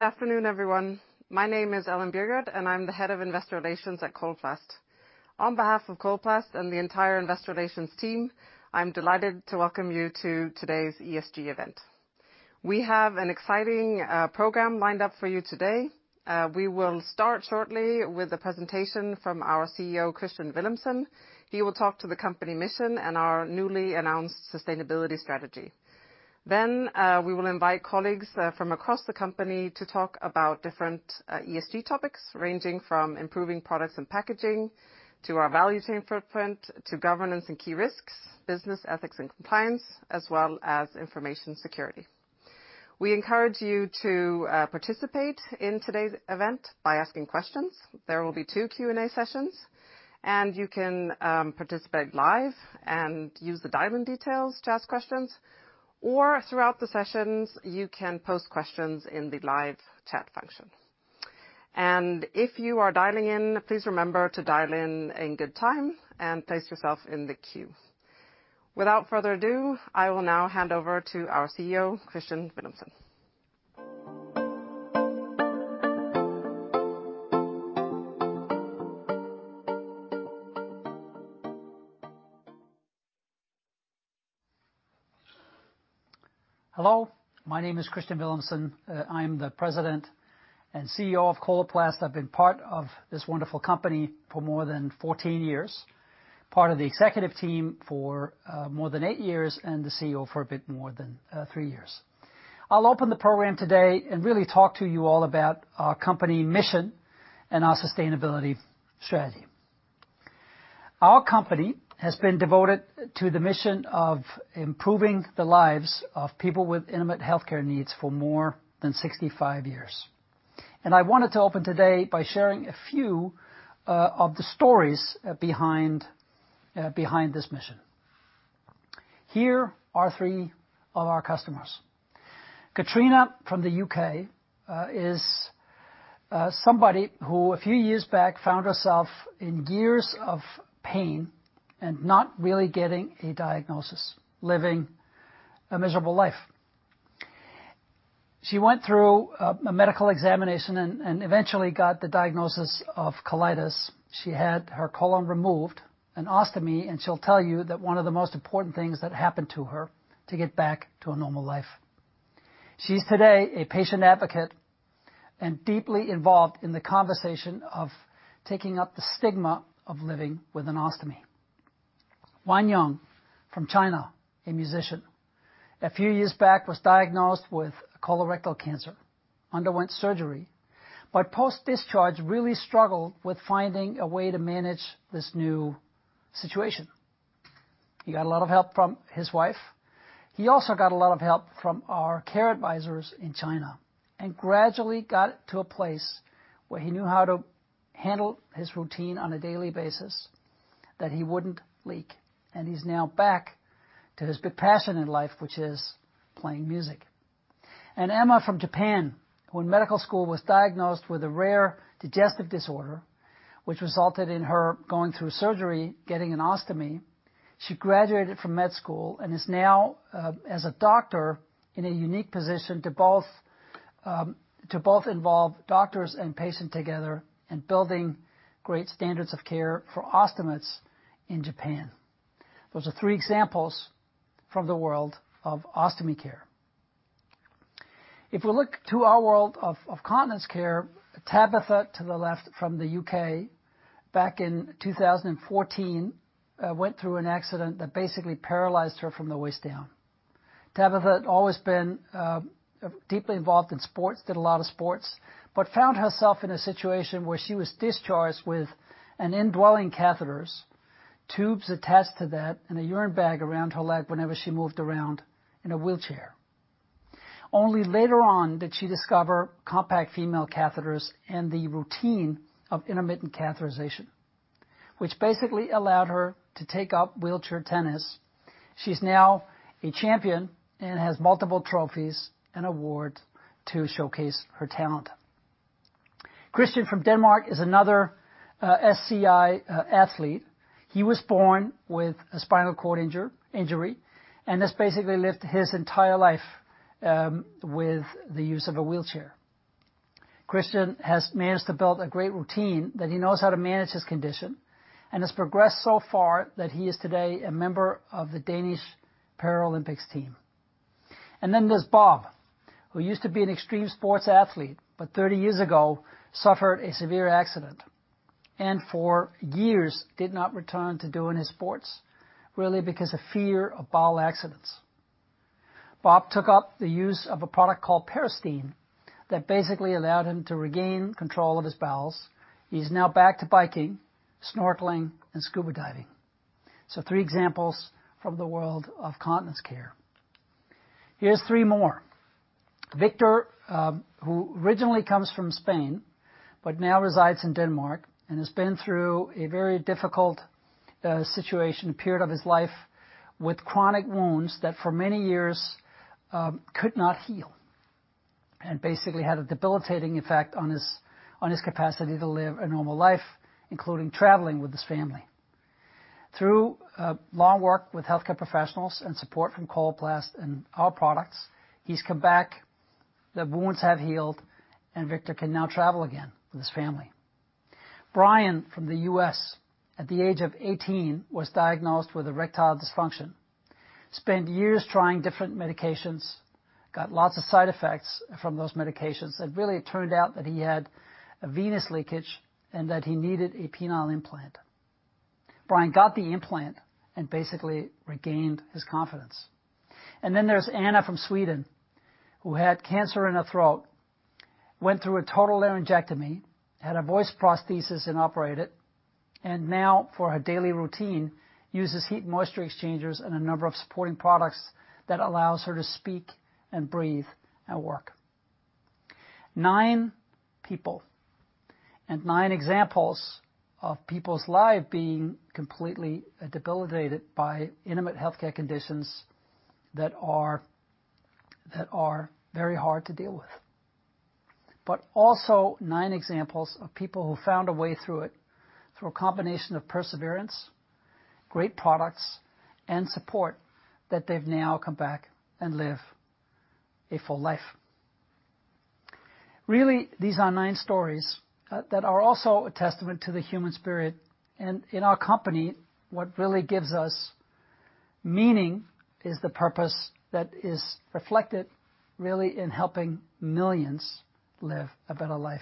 Good afternoon, everyone. My name is Ellen Bjurgert, and I'm the Head of Investor Relations at Coloplast. On behalf of Coloplast and the entire Investor Relations team, I'm delighted to welcome you to today's ESG event. We have an exciting program lined up for you today. We will start shortly with a presentation from our CEO, Kristian Villumsen. He will talk to the company mission and our newly announced sustainability strategy. We will invite colleagues from across the company to talk about different ESG topics, ranging from improving products and packaging, to our value chain footprint, to governance and key risks, business ethics and compliance, as well as information security. We encourage you to participate in today's event by asking questions. There will be two Q&A sessions, and you can participate live and use the dial-in details to ask questions, or throughout the sessions, you can post questions in the live chat function. If you are dialing in, please remember to dial in in good time and place yourself in the queue. Without further ado, I will now hand over to our CEO, Kristian Villumsen. Hello, my name is Kristian Villumsen. I'm the President and CEO of Coloplast. I've been part of this wonderful company for more than 14 years, part of the Executive team for more than eight years, and the CEO for a bit more than three years. I'll open the program today and really talk to you all about our company mission and our sustainability strategy. Our company has been devoted to the mission of improving the lives of people with intimate healthcare needs for more than 65 years. I wanted to open today by sharing a few of the stories behind this mission. Here are three of our customers. Katrina from the U.K. is somebody who, a few years back, found herself in years of pain and not really getting a diagnosis, living a miserable life. She went through a medical examination and eventually got the diagnosis of colitis. She had her colon removed, an ostomy, and she'll tell you that one of the most important things that happened to her to get back to a normal life. She's today a patient advocate and deeply involved in the conversation of taking up the stigma of living with an ostomy. Wanyang from China, a musician. He a few years back was diagnosed with colorectal cancer, underwent surgery, but post-discharge really struggled with finding a way to manage this new situation. He got a lot of help from his wife. He also got a lot of help from our care advisors in China and gradually got to a place where he knew how to handle his routine on a daily basis, that he wouldn't leak. He's now back to his big passion in life, which is playing music. Emma from Japan, who in medical school was diagnosed with a rare digestive disorder, which resulted in her going through surgery, getting an ostomy. She graduated from med school and is now as a doctor in a unique position to both involve doctors and patients together in building great standards of care for ostomates in Japan. Those are three examples from the world of Ostomy Care. If we look to our world of continence care, Tabitha to the left from the U.K., back in 2014, went through an accident that basically paralyzed her from the waist down. Tabitha had always been deeply involved in sports, did a lot of sports, but found herself in a situation where she was discharged with an indwelling catheters, tubes attached to that, and a urine bag around her leg whenever she moved around in a wheelchair. Only later on did she discover compact female catheters and the routine of intermittent catheterization, which basically allowed her to take up wheelchair tennis. She's now a champion and has multiple trophies and awards to showcase her talent. Christian from Denmark is another SCI athlete. He was born with a spinal cord injury, and has basically lived his entire life with the use of a wheelchair. Christian has managed to build a great routine that he knows how to manage his condition and has progressed so far that he is today a member of the Danish Paralympic team. There's Bob, who used to be an extreme sports athlete, but 30 years ago suffered a severe accident and for years did not return to doing his sports, really because of fear of bowel accidents. Bob took up the use of a product called Peristeen that basically allowed him to regain control of his bowels. He's now back to biking, snorkeling, and scuba diving. Three examples from the world of continence care. Here's three more. Victor, who originally comes from Spain, but now resides in Denmark and has been through a very difficult situation, period of his life with chronic wounds that for many years could not heal and basically had a debilitating effect on his capacity to live a normal life, including traveling with his family. Through long work with healthcare professionals and support from Coloplast and our products, he's come back, the wounds have healed, and Victor can now travel again with his family. Brian from the U.S., at the age of 18, was diagnosed with erectile dysfunction. He spent years trying different medications, got lots of side effects from those medications, and really it turned out that he had a venous leakage, and that he needed a penile implant. Brian got the implant and basically regained his confidence. Then there's Anna from Sweden, who had cancer in her throat, went through a total laryngectomy, had a voice prosthesis implanted, and now for her daily routine, uses heat moisture exchangers and a number of supporting products that allows her to speak and breathe at work. Nine people and nine examples of people's life being completely debilitated by intimate healthcare conditions that are very hard to deal with. Also nine examples of people who found a way through it, through a combination of perseverance, great products and support that they've now come back and live a full life. Really, these are nine stories that are also a testament to the human spirit. In our company, what really gives us meaning is the purpose that is reflected really in helping millions live a better life.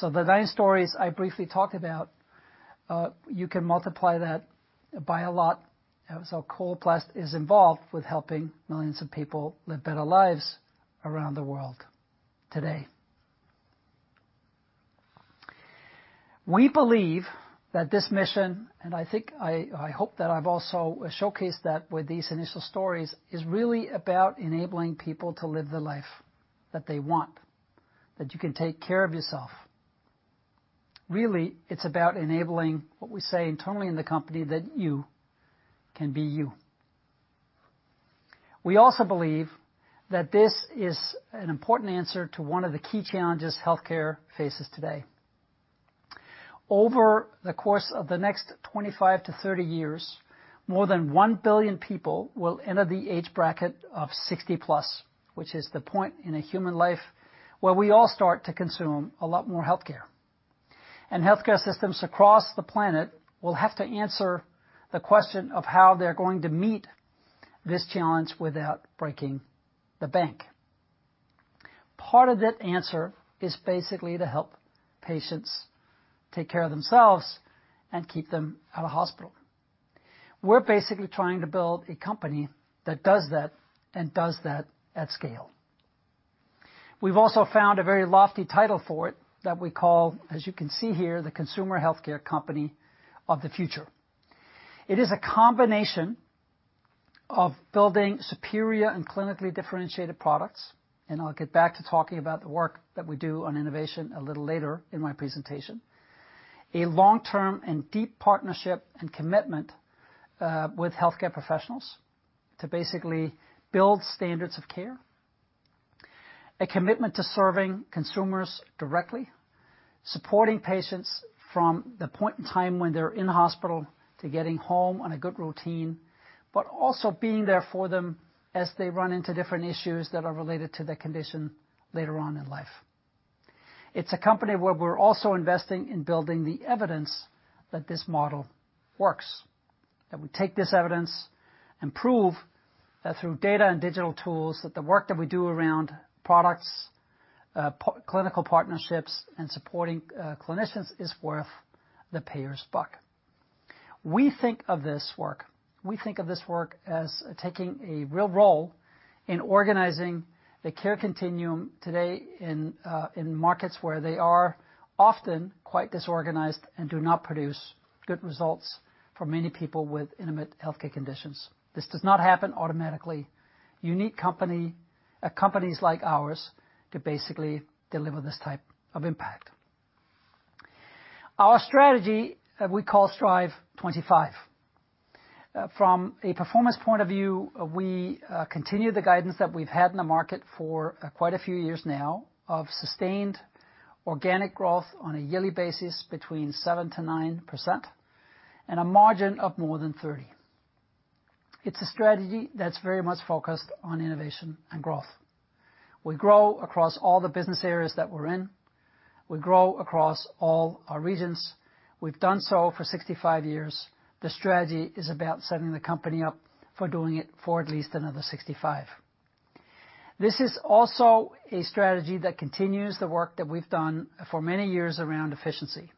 The nine stories I briefly talked about, you can multiply that by a lot, so Coloplast is involved with helping millions of people live better lives around the world today. We believe that this mission, and I think I hope that I've also showcased that with these initial stories, is really about enabling people to live the life that they want, that you can take care of yourself. Really, it's about enabling what we say internally in the company that you can be you. We also believe that this is an important answer to one of the key challenges healthcare faces today. Over the course of the next 25-30 years, more than 1 billion people will enter the age bracket of 60+, which is the point in a human life where we all start to consume a lot more healthcare. Healthcare systems across the planet will have to answer the question of how they're going to meet this challenge without breaking the bank. Part of that answer is basically to help patients take care of themselves and keep them out of hospital. We're basically trying to build a company that does that and does that at scale. We've also found a very lofty title for it that we call, as you can see here, The Consumer Healthcare Company of the Future. It is a combination of building superior and clinically differentiated products, a long-term and deep partnership and commitment with healthcare professionals to basically build standards of care, and a commitment to serving consumers directly. Supporting patients from the point in time when they're in hospital to getting home on a good routine, but also being there for them as they run into different issues that are related to their condition later on in life. It's a company where we're also investing in building the evidence that this model works, that we take this evidence and prove that through data and digital tools, that the work that we do around products, clinical partnerships and supporting clinicians is worth the payer's buck. We think of this work as taking a real role in organizing the care continuum today in markets where they are often quite disorganized and do not produce good results for many people with intimate healthcare conditions. This does not happen automatically. You need companies like ours to basically deliver this type of impact. Our strategy, we call Strive25. From a performance point of view, we continue the guidance that we've had in the market for quite a few years now of sustained organic growth on a yearly basis between 7%-9%, and a margin of more than 30%. It's a strategy that's very much focused on innovation and growth. We grow across all the business areas that we're in. We grow across all our regions. We've done so for 65 years. The strategy is about setting the company up for doing it for at least another 65. This is also a strategy that continues the work that we've done for many years around efficiency.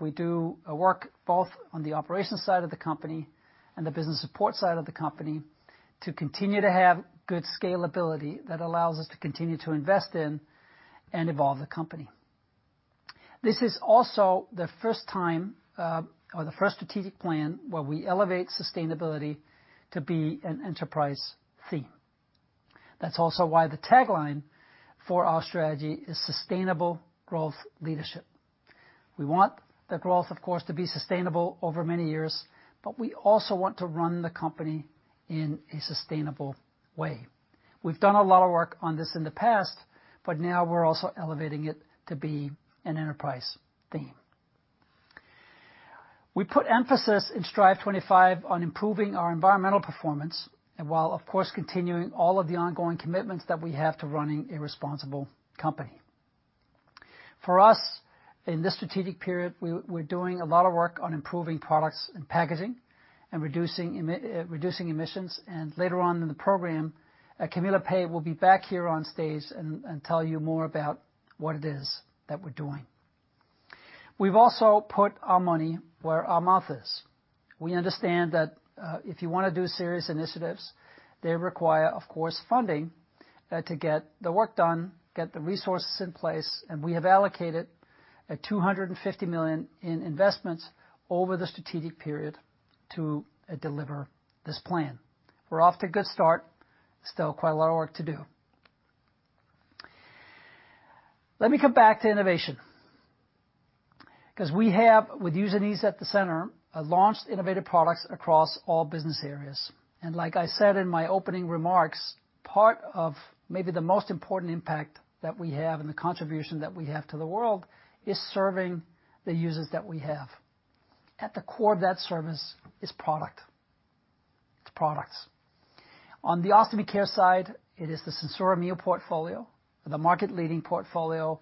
We do work both on the operations side of the company and the business support side of the company to continue to have good scalability that allows us to continue to invest in and evolve the company. This is also the first time, or the first strategic plan where we elevate sustainability to be an enterprise theme. That's also why the tagline for our strategy is Sustainable Growth Leadership. We want the growth, of course, to be sustainable over many years, but we also want to run the company in a sustainable way. We've done a lot of work on this in the past, but now we're also elevating it to be an enterprise theme. We put emphasis in Strive25 on improving our environmental performance and, while, of course, continuing all of the ongoing commitments that we have to running a responsible company. For us, in this strategic period, we're doing a lot of work on improving products and packaging and reducing emissions and later on in the program, Camilla Pagh will be back here on stage and tell you more about what it is that we're doing. We've also put our money where our mouth is. We understand that if you wanna do serious initiatives, they require, of course, funding to get the work done, get the resources in place, and we have allocated 250 million in investments over the strategic period to deliver this plan. We're off to a good start. Still quite a lot of work to do. Let me come back to innovation, 'cause we have, with users needs at the center, launched innovative products across all business areas. Like I said in my opening remarks, part of maybe the most important impact that we have and the contribution that we have to the world is serving the users that we have. At the core of that service is product. It's products. On the Ostomy Care side, it is the SenSura Mio portfolio, the market-leading portfolio,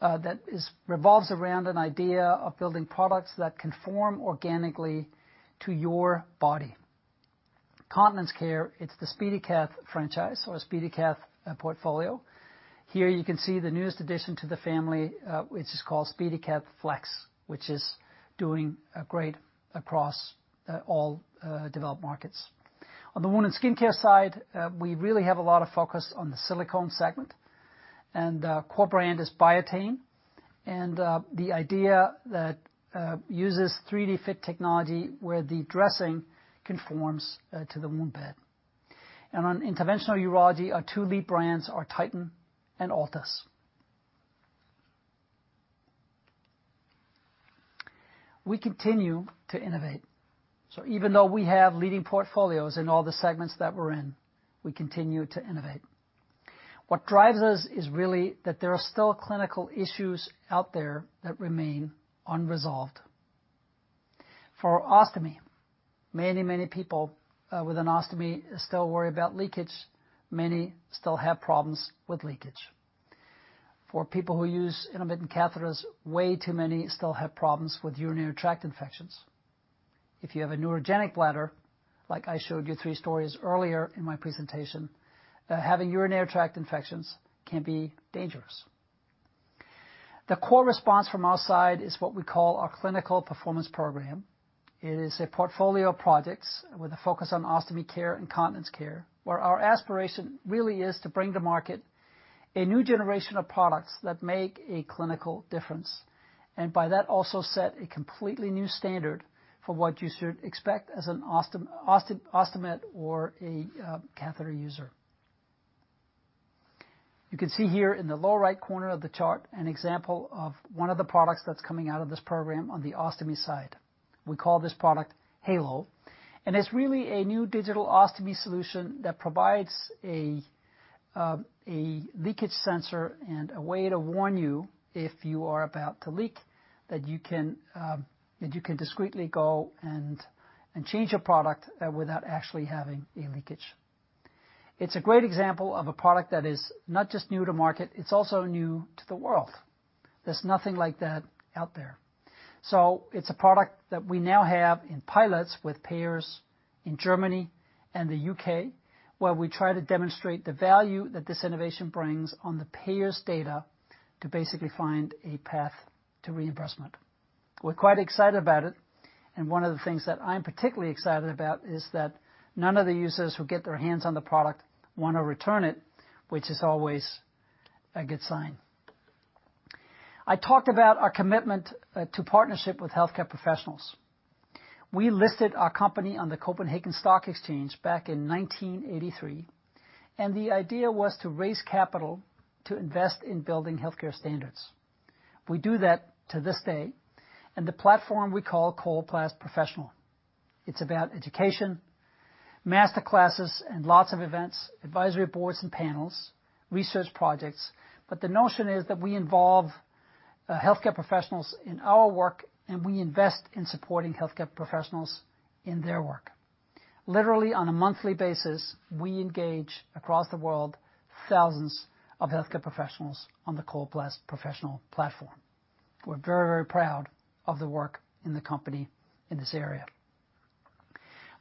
that revolves around an idea of building products that conform organically to your body. Continence Care, it's the SpeediCath franchise or SpeediCath portfolio. Here you can see the newest addition to the family, which is called SpeediCath Flex, which is doing great across all developed markets. On the wound and skincare side, we really have a lot of focus on the Silicone segment, and our core brand is Biatain. The idea that uses 3DFit Technology where the dressing conforms to the wound bed. On Interventional Urology, our two lead brands are Titan and Altis. We continue to innovate. Even though we have leading portfolios in all the segments that we're in, we continue to innovate. What drives us is really that there are still clinical issues out there that remain unresolved. For ostomy, many people with an ostomy still worry about leakage. Many still have problems with leakage. For people who use intermittent catheters, way too many still have problems with urinary tract infections. If you have a neurogenic bladder, like I showed you three stories earlier in my presentation, having urinary tract infections can be dangerous. The core response from our side is what we call our clinical performance program. It is a portfolio of projects with a focus on Ostomy Care and Continence Care, where our aspiration really is to bring to market a new generation of products that make a clinical difference, and by that also set a completely new standard for what you should expect as an ostomate or a catheter user. You can see here in the lower right corner of the chart an example of one of the products that's coming out of this program on the ostomy side. We call this product Heylo, and it's really a new digital ostomy solution that provides a leakage sensor and a way to warn you if you are about to leak, that you can discreetly go and change a product without actually having a leakage. It's a great example of a product that is not just new to market, it's also new to the world. There's nothing like that out there. It's a product that we now have in pilots with payers in Germany and the U.K., where we try to demonstrate the value that this innovation brings on the payer's data to basically find a path to reimbursement. We're quite excited about it, and one of the things that I'm particularly excited about is that none of the users who get their hands on the product wanna return it, which is always a good sign. I talked about our commitment to partnership with healthcare professionals. We listed our company on the Copenhagen Stock Exchange back in 1983, and the idea was to raise capital to invest in building healthcare standards. We do that to this day in the platform we call Coloplast Professional. It's about education, master classes and lots of events, advisory boards and panels, research projects. The notion is that we involve healthcare professionals in our work and we invest in supporting healthcare professionals in their work. Literally on a monthly basis, we engage, across the world, thousands of healthcare professionals on the Coloplast Professional platform. We're very proud of the work in the company in this area.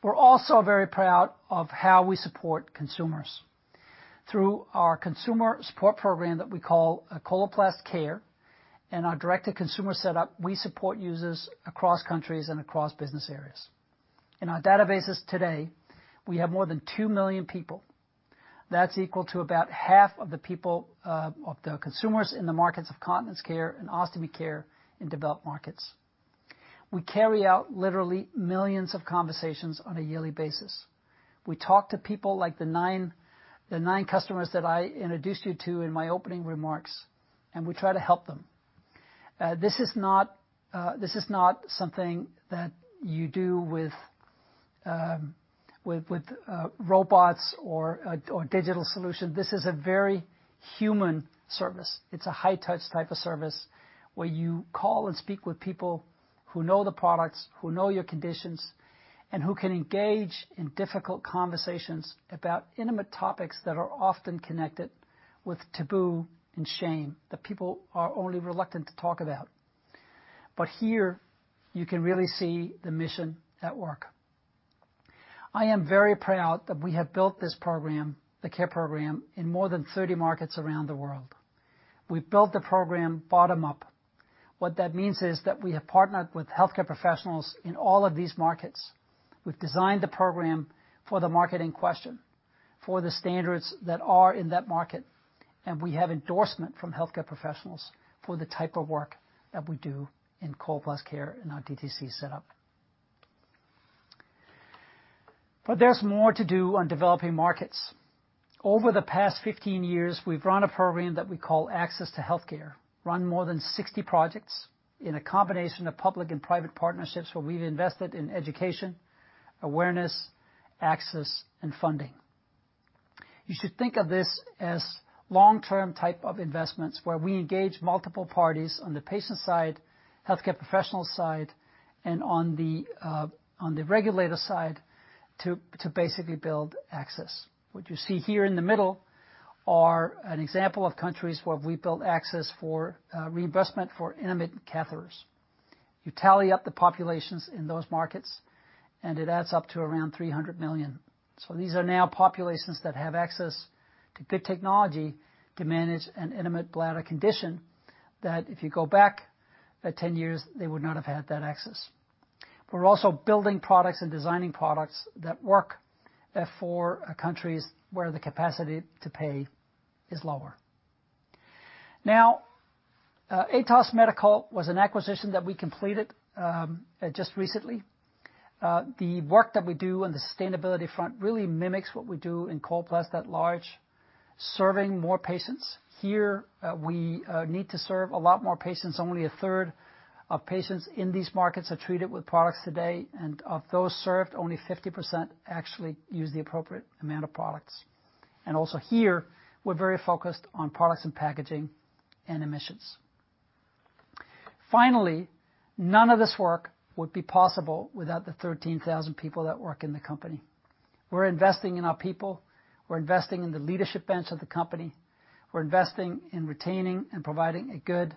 We're also very proud of how we support consumers. Through our consumer support program that we call Coloplast Care and our direct-to-consumer setup, we support users across countries and across business areas. In our databases today, we have more than two million people. That's equal to about half of the people of the consumers in the markets of Continence care and Ostomy Care in developed markets. We carry out literally millions of conversations on a yearly basis. We talk to people like the nine customers that I introduced you to in my opening remarks, and we try to help them. This is not something that you do with robots or digital solution. This is a very human service. It's a high touch type of service where you call and speak with people who know the products, who know your conditions, and who can engage in difficult conversations about intimate topics that are often connected with taboo and shame, that people are only reluctant to talk about. Here you can really see the mission at work. I am very proud that we have built this program, the Care program, in more than 30 markets around the world. We've built the program bottom up. What that means is that we have partnered with healthcare professionals in all of these markets. We've designed the program for the market in question, for the standards that are in that market, and we have endorsement from healthcare professionals for the type of work that we do in Coloplast Care in our DTC setup. There's more to do on developing markets. Over the past 15 years, we've run a program that we call Access to Healthcare, run more than 60 projects in a combination of public and private partnerships where we've invested in education, awareness, access and funding. You should think of this as long-term type of investments, where we engage multiple parties on the patient side, healthcare professional side, and on the regulator side to basically build access. What you see here in the middle are an example of countries where we built access for reimbursement for intermittent catheters. You tally up the populations in those markets, and it adds up to around 300 million. These are now populations that have access to good technology to manage an incontinent bladder condition that if you go back 10 years, they would not have had that access. We're also building products and designing products that work for countries where the capacity to pay is lower. Now, Atos Medical was an acquisition that we completed just recently. The work that we do on the sustainability front really mimics what we do in Coloplast at large, serving more patients. Here, we need to serve a lot more patients. Only 1/3 of patients in these markets are treated with products today, and of those served, only 50% actually use the appropriate amount of products. Also here, we're very focused on products and packaging and emissions. Finally, none of this work would be possible without the 13,000 people that work in the company. We're investing in our people. We're investing in the leadership bench of the company. We're investing in retaining and providing a good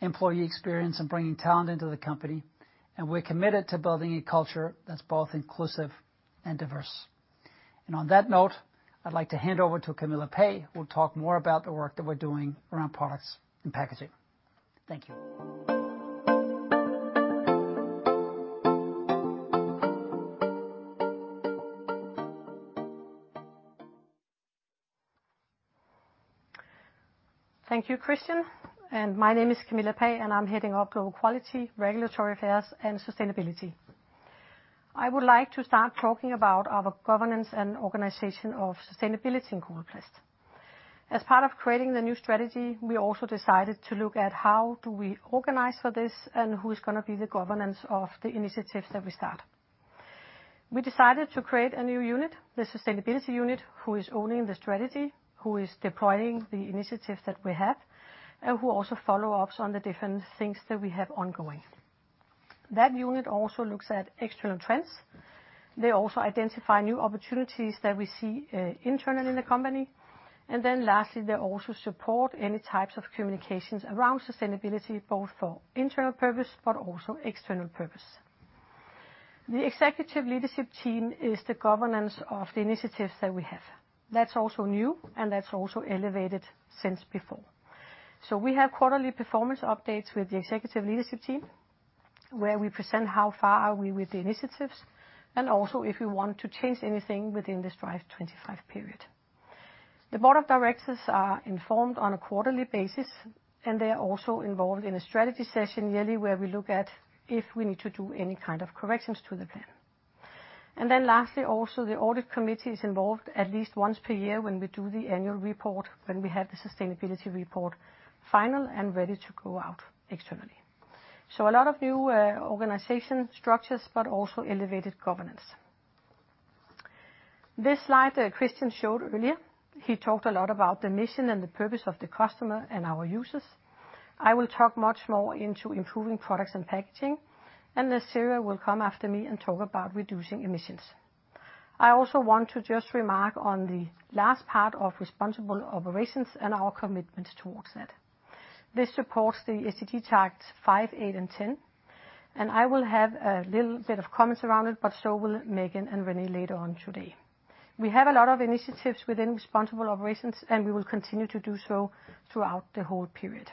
employee experience and bringing talent into the company. We're committed to building a culture that's both inclusive and diverse. On that note, I'd like to hand over to Camilla Pagh, who will talk more about the work that we're doing around products and packaging. Thank you. Thank you, Kristian. My name is Camilla Pagh, and I'm heading up Global Quality, Regulatory Affairs and Sustainability. I would like to start talking about our governance and organization of sustainability in Coloplast. As part of creating the new strategy, we also decided to look at how do we organize for this and who's gonna be the governance of the initiatives that we start. We decided to create a new unit, the Sustainability unit, who is owning the strategy, who is deploying the initiatives that we have, and who also follow ups on the different things that we have ongoing. That unit also looks at external trends. They also identify new opportunities that we see, internal in the company. Lastly, they also support any types of communications around sustainability, both for internal purpose but also external purpose. The Executive Leadership Team is the governance of the initiatives that we have. That's also new, and that's also elevated since before. We have quarterly performance updates with the Executive Leadership Team, where we present how far are we with the initiatives and also if we want to change anything within the Strive25 period. The Board of Directors are informed on a quarterly basis, and they are also involved in a strategy session yearly, where we look at if we need to do any kind of corrections to the plan. Then lastly, also, the Audit Committee is involved at least once per year when we do the Annual Report, when we have the Sustainability Report final and ready to go out externally. A lot of new organizational structures, but also elevated governance. This slide, Kristian showed earlier, he talked a lot about the mission and the purpose of the customer and our users. I will talk much more into improving products and packaging, and then Nassera will come after me and talk about reducing emissions. I also want to just remark on the last part of responsible operations and our commitment towards that. This supports the SDG targets 5, 8, and 10, and I will have a little bit of comments around it, but so will Megan and René later on today. We have a lot of initiatives within responsible operations, and we will continue to do so throughout the whole period.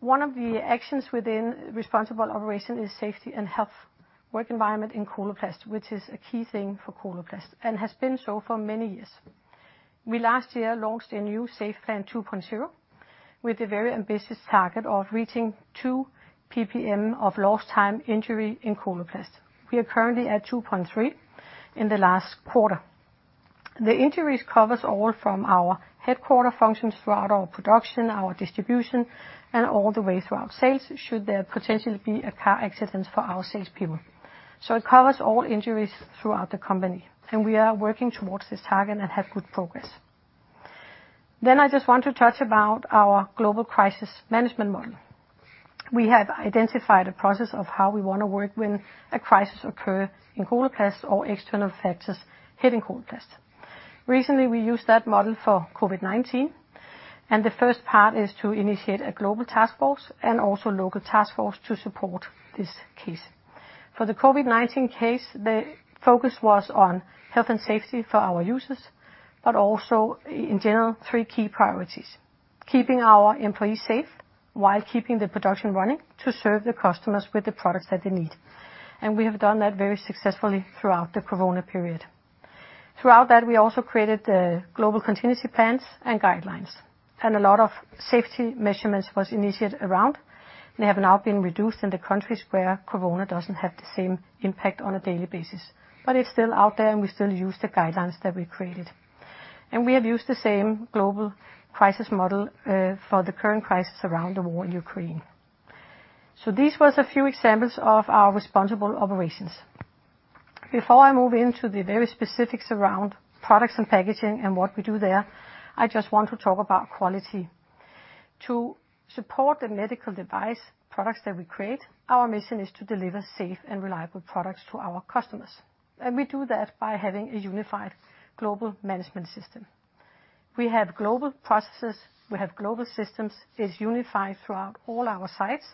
One of the actions within responsible operation is safety and health work environment in Coloplast, which is a key thing for Coloplast and has been so for many years. We last year launched a new SafePlan 2.0 with a very ambitious target of reaching 2.0 ppm Of lost-time injury in Coloplast. We are currently at 2.3 ppm in the last quarter. The injuries covers all from our headquarters functions throughout our production, our distribution, and all the way throughout sales, should there potentially be a car accident for our sales people. It covers all injuries throughout the company, and we are working towards this target and have good progress. I just want to touch about our global crisis management model. We have identified a process of how we wanna work when a crisis occur in Coloplast or external factors hitting Coloplast. Recently we used that model for COVID-19, and the first part is to initiate a global task force and also local task force to support this case. For the COVID-19 case, the focus was on health and safety for our users, but also in general, three key priorities. Keeping our employees safe while keeping the production running to serve the customers with the products that they need, and we have done that very successfully throughout the Corona period. Throughout that we also created the global contingency plans and guidelines, and a lot of safety measures was initiated around, and have now been reduced in the countries where Corona doesn't have the same impact on a daily basis. It's still out there, and we still use the guidelines that we created. We have used the same global crisis model for the current crisis around the war in Ukraine. These was a few examples of our responsible operations. Before I move into the very specifics around products and packaging and what we do there, I just want to talk about quality. To support the medical device products that we create, our mission is to deliver safe and reliable products to our customers, and we do that by having a unified global management system. We have global processes, we have global systems, it's unified throughout all our sites,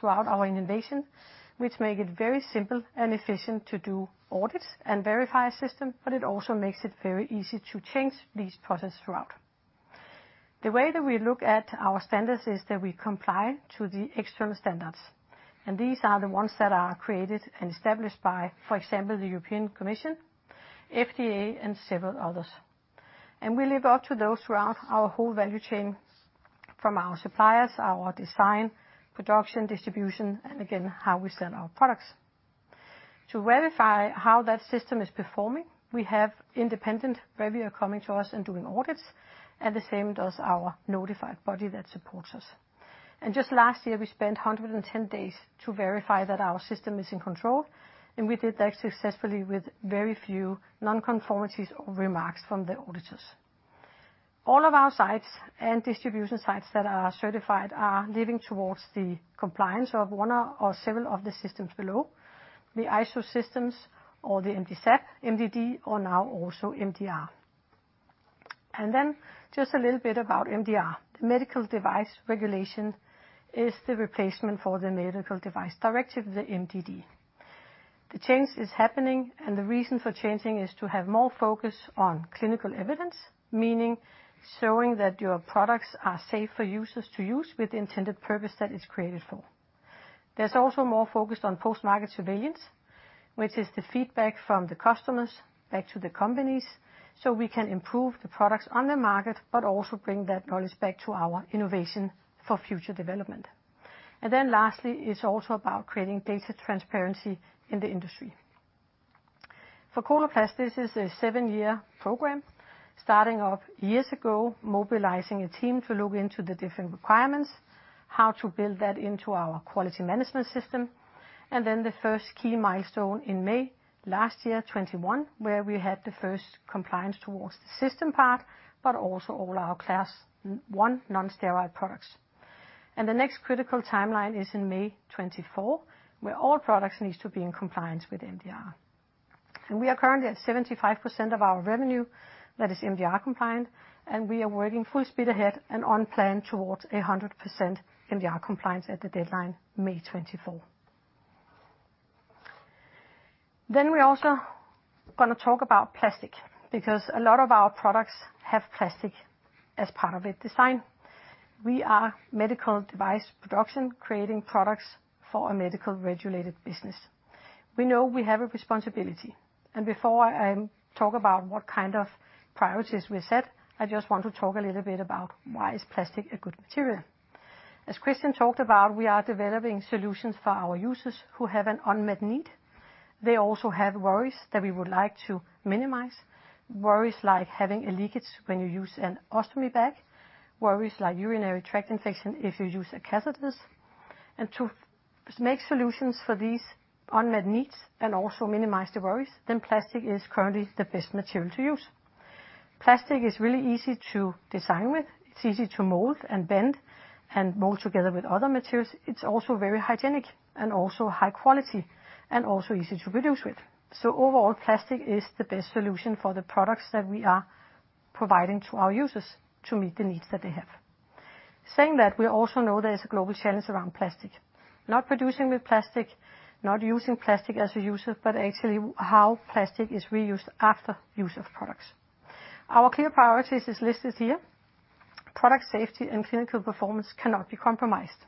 throughout our innovation, which make it very simple and efficient to do audits and verify system, but it also makes it very easy to change these process throughout. The way that we look at our standards is that we comply to the external standards, and these are the ones that are created and established by, for example, the European Commission, FDA, and several others. We live up to those throughout our whole value chain from our suppliers, our design, production, distribution, and again, how we sell our products. To verify how that system is performing, we have independent reviewer coming to us and doing audits, and the same does our notified body that supports us. Just last year we spent 110 days to verify that our system is in control, and we did that successfully with very few non-conformities or remarks from the auditors. All of our sites and distribution sites that are certified are leaning towards the compliance of one or several of the systems below. The ISO systems or the MDSAP, MDD, or now also MDR. Then just a little bit about MDR. The Medical Device Regulation is the replacement for the Medical Device Directive, the MDD. The change is happening, and the reason for changing is to have more focus on clinical evidence. Meaning showing that your products are safe for users to use with the intended purpose that it's created for. There's also more focus on post-market surveillance, which is the feedback from the customers back to the companies, so we can improve the products on the market, but also bring that knowledge back to our innovation for future development. Lastly, it's also about creating data transparency in the industry. For Coloplast, this is a seven-year program starting off years ago, mobilizing a team to look into the different requirements, how to build that into our quality management system, and then the first key milestone in May last year, 2021, where we had the first compliance towards the system part, but also all our Class I non-sterile products. The next critical timeline is in May 2024, where all products needs to be in compliance with MDR. We are currently at 75% of our revenue that is MDR compliant, and we are working full speed ahead and on plan towards 100% MDR compliance at the deadline, May 2024. We're also gonna talk about plastic, because a lot of our products have plastic as part of it design. We are medical device production, creating products for a medical regulated business. We know we have a responsibility. Before I talk about what kind of priorities we set, I just want to talk a little bit about why is plastic a good material. As Kristian talked about, we are developing solutions for our users who have an unmet need. They also have worries that we would like to minimize. Worries like having a leakage when you use an ostomy bag. Worries like urinary tract infection if you use catheters. To make solutions for these unmet needs and also minimize the worries, then plastic is currently the best material to use. Plastic is really easy to design with. It's easy to mold and bend and mold together with other materials. It's also very hygienic, and also high quality, and also easy to produce with. Overall, plastic is the best solution for the products that we are providing to our users to meet the needs that they have. Saying that, we also know there is a global challenge around plastic. Not producing with plastic, not using plastic as a user, but actually how plastic is reused after use of products. Our clear priorities is listed here. Product safety and clinical performance cannot be compromised.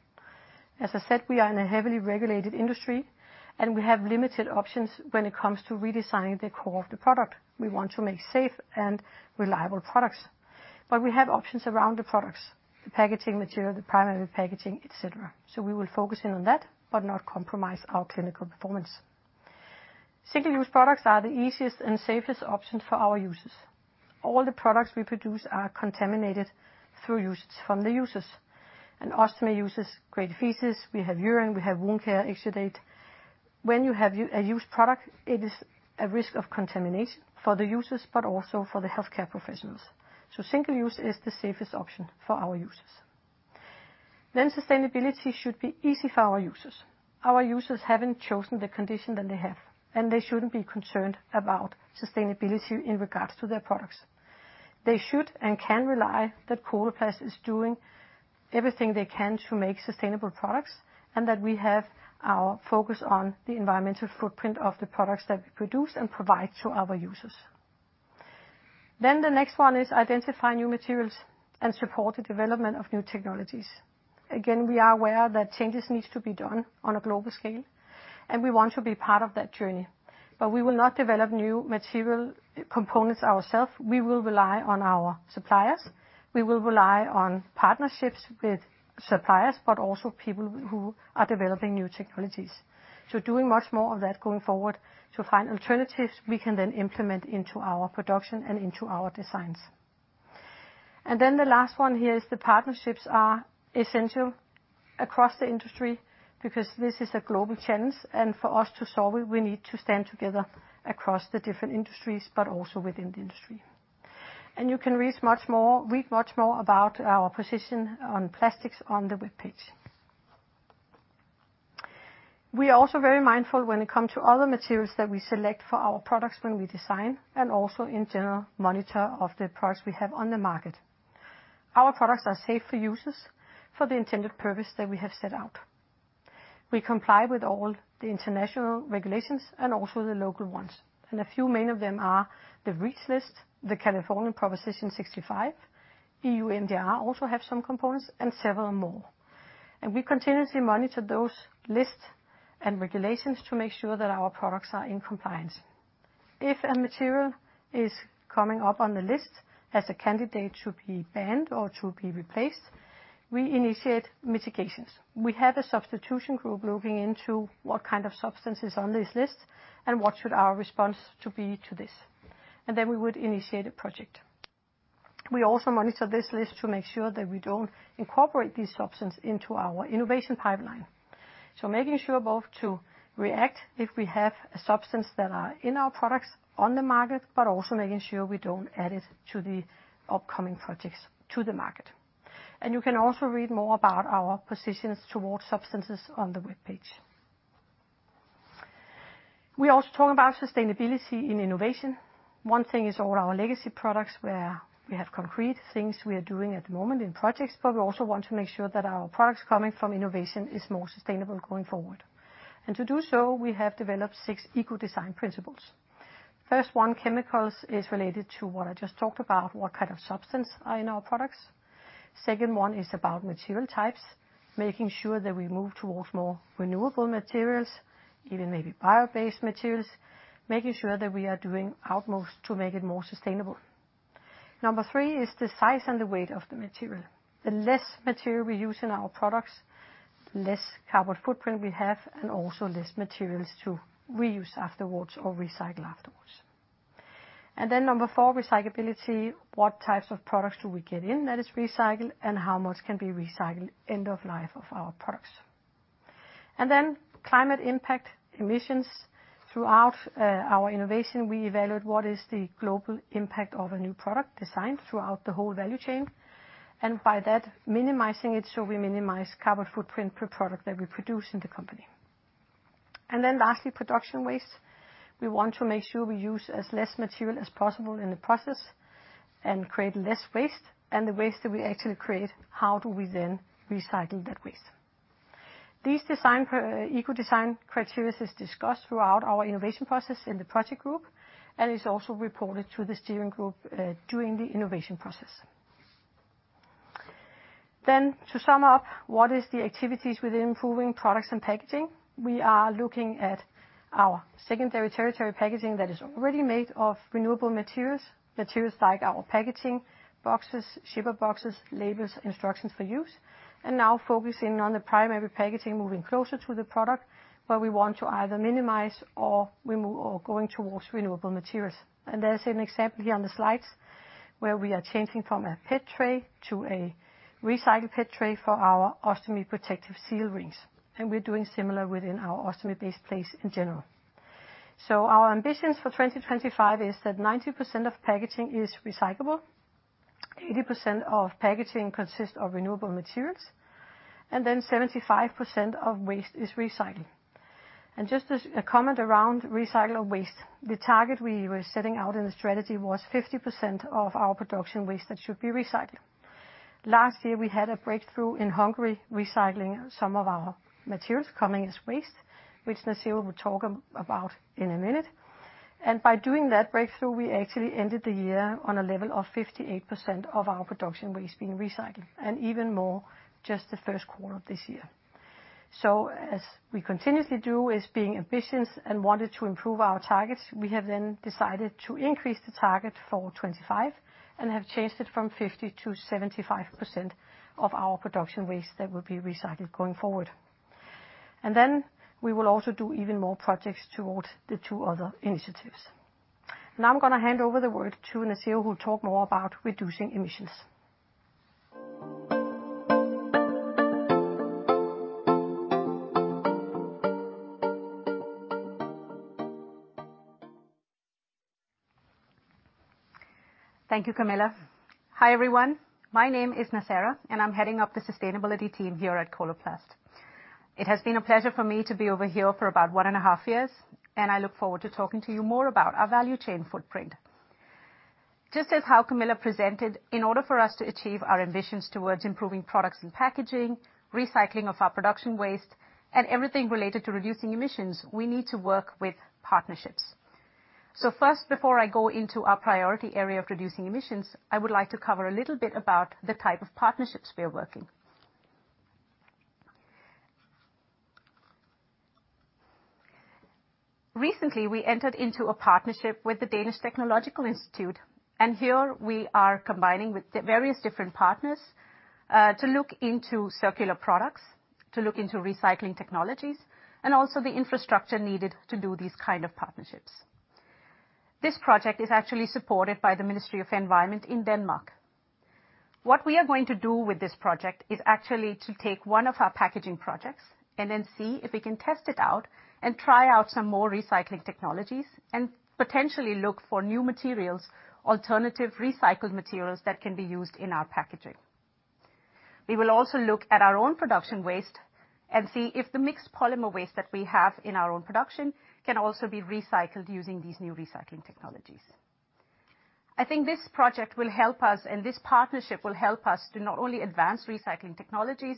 As I said, we are in a heavily regulated industry, and we have limited options when it comes to redesigning the core of the product. We want to make safe and reliable products. We have options around the products, the packaging material, the primary packaging, et cetera. We will focus in on that, but not compromise our clinical performance. Single-use products are the easiest and safest option for our users. All the products we produce are contaminated through usage from the users. In ostomy users create feces, we have urine, we have wound care exudate. When you have a used product, it is a risk of contamination for the users, but also for the healthcare professionals. Single use is the safest option for our users. Sustainability should be easy for our users. Our users haven't chosen the condition that they have, and they shouldn't be concerned about sustainability in regards to their products. They should and can rely that Coloplast is doing everything they can to make sustainable products, and that we have our focus on the environmental footprint of the products that we produce and provide to our users. The next one is identify new materials and support the development of new technologies. Again, we are aware that changes need to be done on a global scale, and we want to be part of that journey. We will not develop new material components ourselves. We will rely on our suppliers. We will rely on partnerships with suppliers, but also people who are developing new technologies. Doing much more of that going forward to find alternatives we can then implement into our production and into our designs. The last one here is the partnerships are essential across the industry because this is a global challenge, and for us to solve it, we need to stand together across the different industries, but also within the industry. You can read much more about our position on plastics on the webpage. We are also very mindful when it comes to other materials that we select for our products when we design, and also in general, monitoring of the products we have on the market. Our products are safe for users for the intended purpose that we have set out. We comply with all the international regulations and also the local ones. A few main of them are the REACH list, the California Proposition 65, EU MDR also have some components, and several more. We continuously monitor those lists and regulations to make sure that our products are in compliance. If a material is coming up on the list as a candidate to be banned or to be replaced, we initiate mitigations. We have a substitution group looking into what kind of substances on this list and what should our response to be to this. We would initiate a project. We also monitor this list to make sure that we don't incorporate these substances into our innovation pipeline, making sure both to react if we have a substance that are in our products on the market, but also making sure we don't add it to the upcoming projects to the market. You can also read more about our positions towards substances on the webpage. We also talk about sustainability in innovation. One thing is all our legacy products, where we have concrete things we are doing at the moment in projects, but we also want to make sure that our products coming from innovation is more sustainable going forward. To do so, we have developed six eco design principles. First one, chemicals, is related to what I just talked about, what kind of substance are in our products. Second one is about material types, making sure that we move towards more renewable materials, even maybe bio-based materials, making sure that we are doing utmost to make it more sustainable. Number three is the size and the weight of the material. The less material we use in our products, less carbon footprint we have and also less materials to reuse afterwards or recycle afterwards. Number four, recyclability. What types of products do we get in that is recycled, and how much can be recycled end of life of our products? Climate impact emissions. Throughout our innovation, we evaluate what is the global impact of a new product design throughout the whole value chain, and by that minimizing it, so we minimize carbon footprint per product that we produce in the company. Lastly, production waste. We want to make sure we use as less material as possible in the process and create less waste, and the waste that we actually create, how do we then recycle that waste? These eco design criteria is discussed throughout our innovation process in the project group and is also reported to the steering group during the innovation process. To sum up, what is the activities within improving products and packaging? We are looking at our secondary territory packaging that is already made of renewable materials like our packaging boxes, shipper boxes, labels, instructions for use, and now focusing on the primary packaging, moving closer to the product, where we want to either minimize or going towards renewable materials. There's an example here on the slides where we are changing from a PET tray to a recycled PET tray for our ostomy protective seal rings. We're doing similar within our ostomy baseplate in general. Our ambitions for 2025 is that 90% of packaging is recyclable, 80% of packaging consists of renewable materials, and then 75% of waste is recycled. Just as a comment around recycle of waste, the target we were setting out in the strategy was 50% of our production waste that should be recycled. Last year, we had a breakthrough in Hungary, recycling some of our materials coming as waste, which Nassera will talk about in a minute. By doing that breakthrough, we actually ended the year on a level of 58% of our production waste being recycled, and even more just the first quarter of this year. As we continuously do, is being ambitious and wanted to improve our targets, we have then decided to increase the target for 2025, and have changed it from 50% to 75% of our production waste that will be recycled going forward. Then we will also do even more projects towards the two other initiatives. Now I'm gonna hand over the work to Nassera who will talk more about reducing emissions. Thank you, Camilla. Hi, everyone. My name is Nassera, and I'm heading up the Sustainability team here at Coloplast. It has been a pleasure for me to be over here for about one and a half years, and I look forward to talking to you more about our value chain footprint. Just as how Camilla presented, in order for us to achieve our ambitions towards improving products and packaging, recycling of our production waste, and everything related to reducing emissions, we need to work with partnerships. First, before I go into our priority area of reducing emissions, I would like to cover a little bit about the type of partnerships we are working. Recently, we entered into a partnership with the Danish Technological Institute, and here we are combining with various different partners to look into circular products, to look into recycling technologies, and also the infrastructure needed to do these kind of partnerships. This project is actually supported by the Ministry of Environment in Denmark. What we are going to do with this project is actually to take one of our packaging projects and then see if we can test it out and try out some more recycling technologies, and potentially look for new materials, alternative recycled materials that can be used in our packaging. We will also look at our own production waste and see if the mixed polymer waste that we have in our own production can also be recycled using these new recycling technologies. I think this project will help us, and this partnership will help us to not only advance recycling technologies,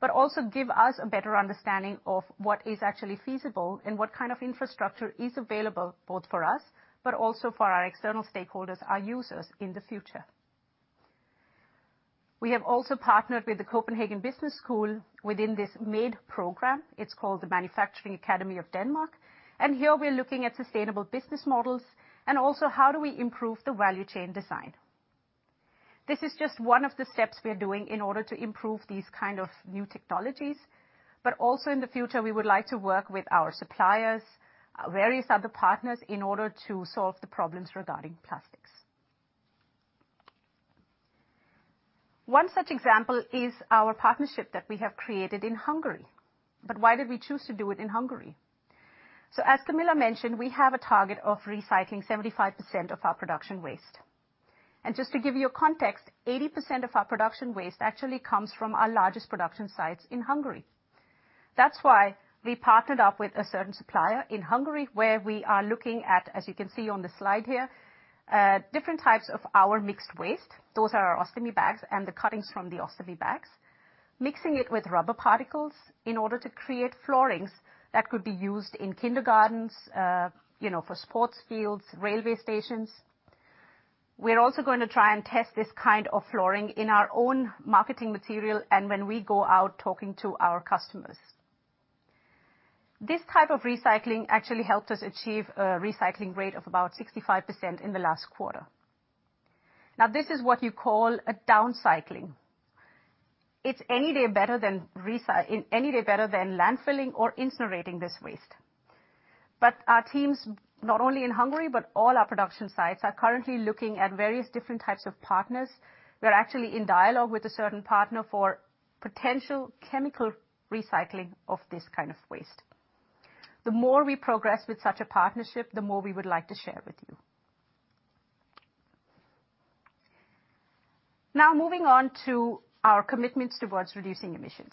but also give us a better understanding of what is actually feasible and what kind of infrastructure is available, both for us, but also for our external stakeholders, our users in the future. We have also partnered with the Copenhagen Business School within this MADE program. It's called the Manufacturing Academy of Denmark. Here we are looking at sustainable business models and also how do we improve the value chain design. This is just one of the steps we are doing in order to improve these kind of new technologies. Also in the future, we would like to work with our suppliers, various other partners in order to solve the problems regarding plastics. One such example is our partnership that we have created in Hungary. Why did we choose to do it in Hungary? As Camilla mentioned, we have a target of recycling 75% of our production waste. Just to give you a context, 80% of our production waste actually comes from our largest production sites in Hungary. That's why we partnered up with a certain supplier in Hungary, where we are looking at, as you can see on the slide here, different types of our mixed waste. Those are our ostomy bags and the cuttings from the ostomy bags. Mixing it with rubber particles in order to create floorings that could be used in kindergartens, you know, for sports fields, railway stations. We're also going to try and test this kind of flooring in our own marketing material and when we go out talking to our customers. This type of recycling actually helped us achieve a recycling rate of about 65% in the last quarter. Now, this is what you call a downcycling. It's any day better than landfilling or incinerating this waste. Our teams, not only in Hungary, but all our production sites, are currently looking at various different types of partners. We're actually in dialogue with a certain partner for potential chemical recycling of this kind of waste. The more we progress with such a partnership, the more we would like to share with you. Now, moving on to our commitments towards reducing emissions.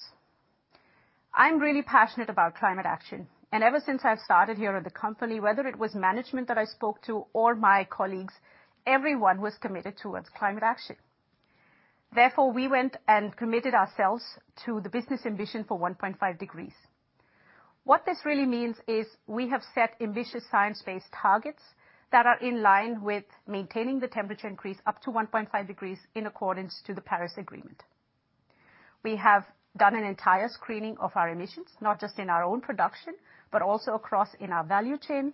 I'm really passionate about climate action, and ever since I've started here at the company, whether it was management that I spoke to or my colleagues, everyone was committed towards climate action. Therefore, we went and committed ourselves to the business ambition for 1.5 degrees. What this really means is we have set ambitious science-based targets that are in line with maintaining the temperature increase up to 1.5 degrees in accordance to the Paris Agreement. We have done an entire screening of our emissions, not just in our own production, but also across in our value chain,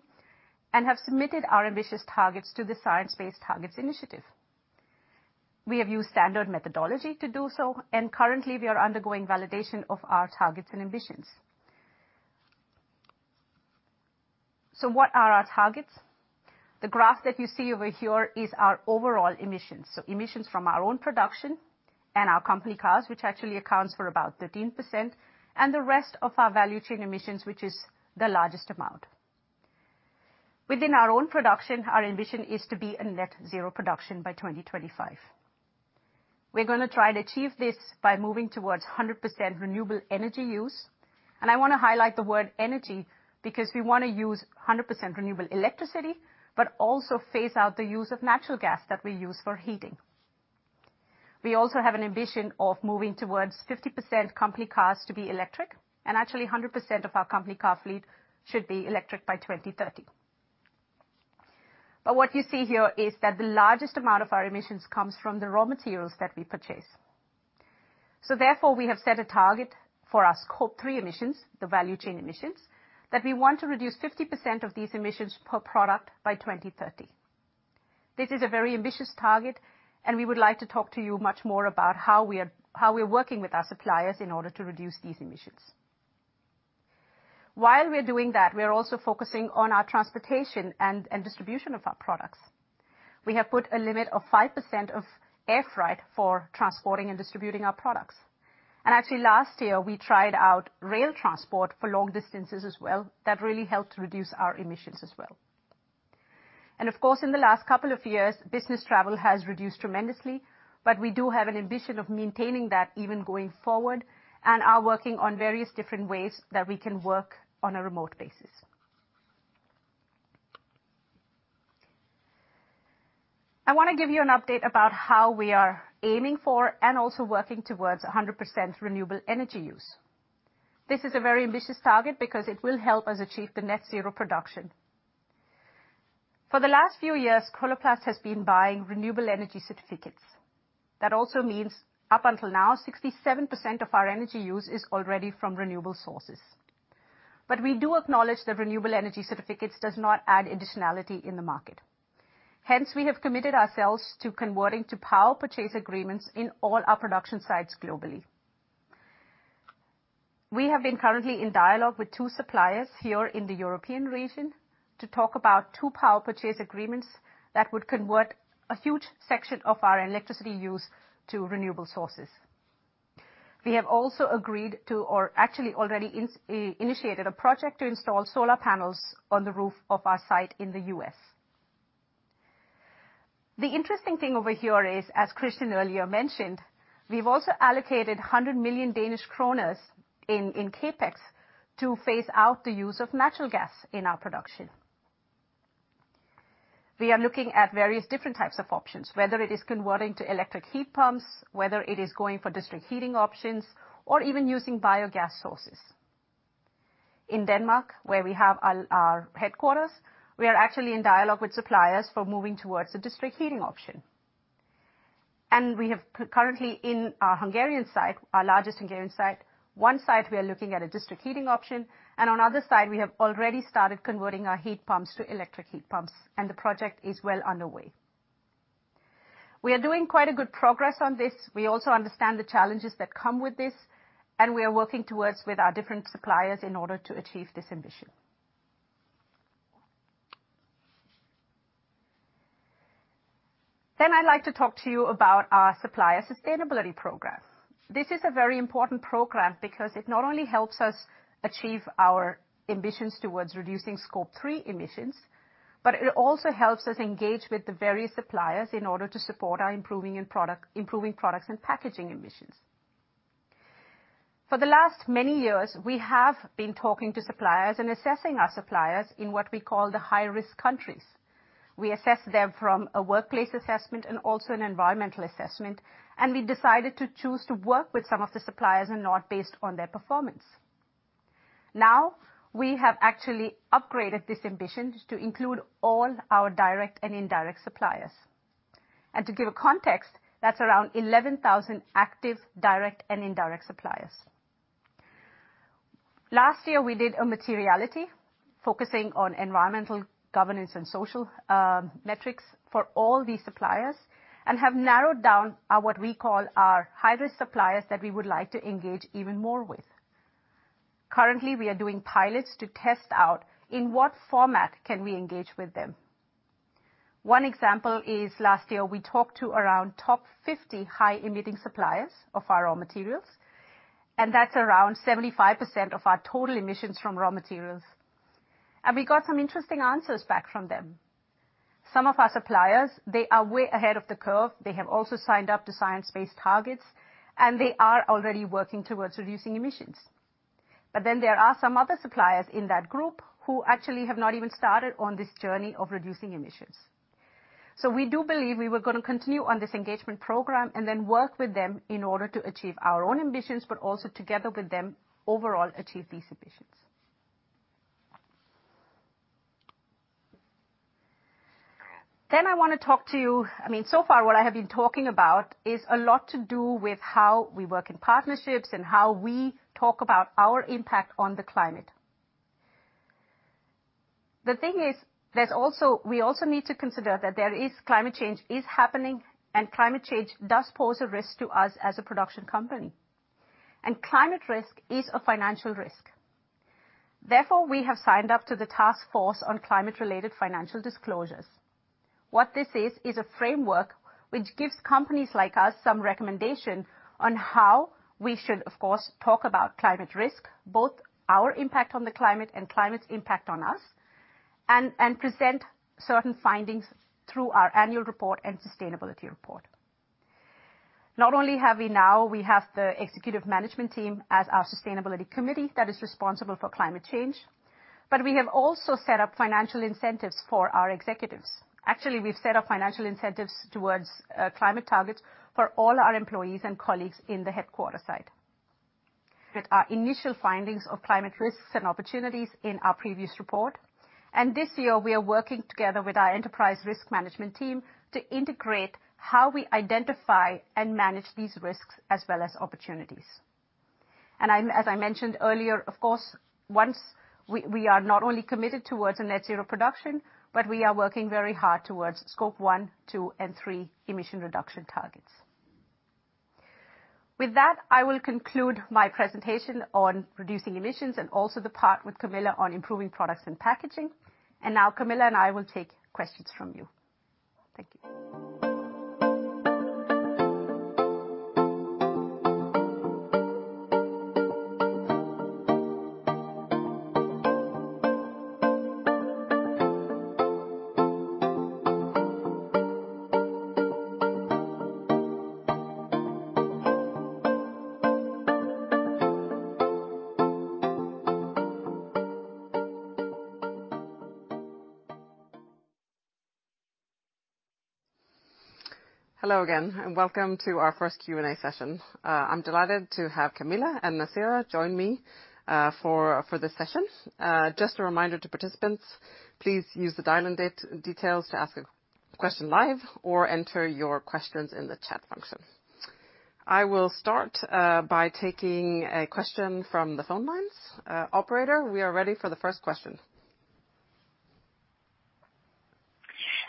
and have submitted our ambitious targets to the Science Based Targets initiative. We have used standard methodology to do so, and currently we are undergoing validation of our targets and ambitions. What are our targets? The graph that you see over here is our overall emissions. Emissions from our own production and our company cars, which actually accounts for about 13%, and the rest of our value chain emissions, which is the largest amount. Within our own production, our ambition is to be a net zero production by 2025. We're gonna try to achieve this by moving towards 100% renewable energy use. I wanna highlight the word energy because we wanna use 100% renewable electricity, but also phase out the use of natural gas that we use for heating. We also have an ambition of moving towards 50% company cars to be electric, and actually 100% of our company car fleet should be electric by 2030. What you see here is that the largest amount of our emissions comes from the raw materials that we purchase. Therefore, we have set a target for our Scope 3 emissions, the value chain emissions, that we want to reduce 50% of these emissions per product by 2030. This is a very ambitious target, and we would like to talk to you much more about how we're working with our suppliers in order to reduce these emissions. While we're doing that, we are also focusing on our transportation and distribution of our products. We have put a limit of 5% of air freight for transporting and distributing our products. Actually last year, we tried out rail transport for long distances as well. That really helped reduce our emissions as well. Of course, in the last couple of years, business travel has reduced tremendously, but we do have an ambition of maintaining that even going forward, and are working on various different ways that we can work on a remote basis. I wanna give you an update about how we are aiming for and also working towards 100% renewable energy use. This is a very ambitious target because it will help us achieve the net zero production. For the last few years, Coloplast has been buying renewable energy certificates. That also means up until now, 67% of our energy use is already from renewable sources. But we do acknowledge that renewable energy certificates does not add additionality in the market. Hence, we have committed ourselves to converting to power purchase agreements in all our production sites globally. We have been currently in dialogue with two suppliers here in the European region to talk about two power purchase agreements that would convert a huge section of our electricity use to renewable sources. We have also agreed to, or actually already initiated a project to install solar panels on the roof of our site in the U.S. The interesting thing over here is, as Kristian earlier mentioned, we've also allocated 100 million Danish kroner in CapEx to phase out the use of natural gas in our production. We are looking at various different types of options, whether it is converting to electric heat pumps, whether it is going for district heating options, or even using biogas sources. In Denmark, where we have our headquarters, we are actually in dialogue with suppliers for moving towards a district heating option. We have currently in our Hungarian site, our largest Hungarian site. One site we are looking at a district heating option, and another site we have already started converting our heat pumps to electric heat pumps, and the project is well underway. We are doing quite a good progress on this. We also understand the challenges that come with this, and we are working together with our different suppliers in order to achieve this ambition. I'd like to talk to you about our supplier sustainability program. This is a very important program because it not only helps us achieve our ambitions towards reducing Scope 3 emissions, but it also helps us engage with the various suppliers in order to support us in improving products and packaging emissions. For the last many years, we have been talking to suppliers and assessing our suppliers in what we call the high-risk countries. We assess them from a workplace assessment and also an environmental assessment, and we decided to choose to work with some of the suppliers and not based on their performance. Now, we have actually upgraded this ambition to include all our direct and indirect suppliers. To give a context, that's around 11,000 active direct and indirect suppliers. Last year, we did a materiality focusing on environmental, governance, and social metrics for all these suppliers and have narrowed down our, what we call our high-risk suppliers that we would like to engage even more with. Currently, we are doing pilots to test out in what format can we engage with them. One example is last year, we talked to around top 50 high-emitting suppliers of our raw materials, and that's around 75% of our total emissions from raw materials. We got some interesting answers back from them. Some of our suppliers, they are way ahead of the curve. They have also signed up to science-based targets, and they are already working towards reducing emissions. There are some other suppliers in that group who actually have not even started on this journey of reducing emissions. We do believe we were gonna continue on this engagement program and then work with them in order to achieve our own ambitions, but also together with them overall achieve these ambitions. I wanna talk to you... I mean, so far what I have been talking about is a lot to do with how we work in partnerships and how we talk about our impact on the climate. The thing is, we also need to consider that climate change is happening, and climate change does pose a risk to us as a production company. Climate risk is a financial risk. Therefore, we have signed up to the Task Force on Climate-related Financial Disclosures. What this is a framework which gives companies like us some recommendation on how we should, of course, talk about climate risk, both our impact on the climate and climate's impact on us, and present certain findings through our Annual Report and Sustainability Report. Not only have we now we have the executive management team as our sustainability committee that is responsible for climate change, but we have also set up financial incentives for our executives. Actually, we've set up financial incentives toward climate targets for all our employees and colleagues in the headquarters site. With our initial findings of climate risks and opportunities in our previous report. This year, we are working together with our enterprise risk management team to integrate how we identify and manage these risks as well as opportunities. I'm, as I mentioned earlier, of course, once we are not only committed towards a net-zero production, but we are working very hard towards Scope 1, 2, and 3 emission reduction targets. With that, I will conclude my presentation on reducing emissions and also the part with Camilla on improving products and packaging. Now Camilla and I will take questions from you. Thank you. Hello again, and welcome to our first Q&A session. I'm delighted to have Camilla and Nassera join me for this session. Just a reminder to participants, please use the dial-in data details to ask a question live, or enter your questions in the chat function. I will start by taking a question from the phone lines. Operator, we are ready for the first question.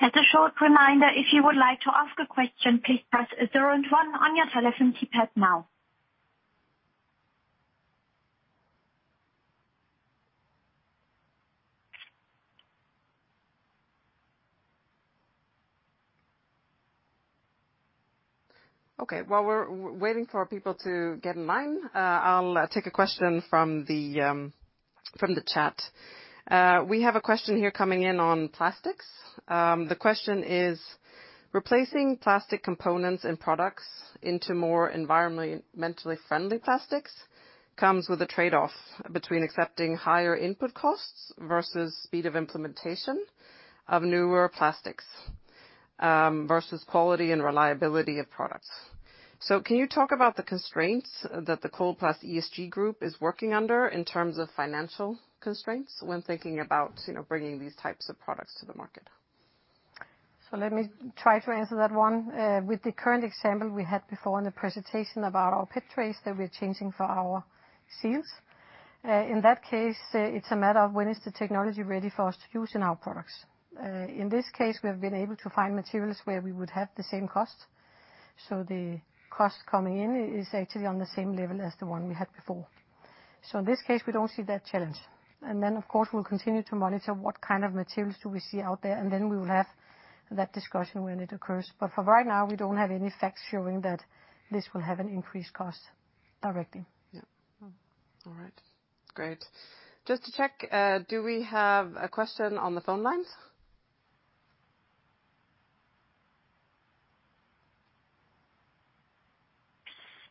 As a short reminder, if you would like to ask a question, please press zero and one on your telephone keypad now. Okay. While we're waiting for people to get in line, I'll take a question from the chat. We have a question here coming in on plastics. The question is: Replacing plastic components in products into more environmentally friendly plastics comes with a trade-off between accepting higher input costs versus speed of implementation of newer plastics, versus quality and reliability of products. Can you talk about the constraints that the Coloplast ESG group is working under in terms of financial constraints when thinking about, you know, bringing these types of products to the market? Let me try to answer that one. With the current example we had before in the presentation about our PET trays that we're changing for our seals. In that case, it's a matter of when is the technology ready for us to use in our products. In this case, we have been able to find materials where we would have the same cost. The cost coming in is actually on the same level as the one we had before. In this case, we don't see that challenge. Then, of course, we'll continue to monitor what kind of materials do we see out there, and then we will have that discussion when it occurs. For right now, we don't have any facts showing that this will have an increased cost directly. Yeah. All right. Great. Just to check, do we have a question on the phone lines?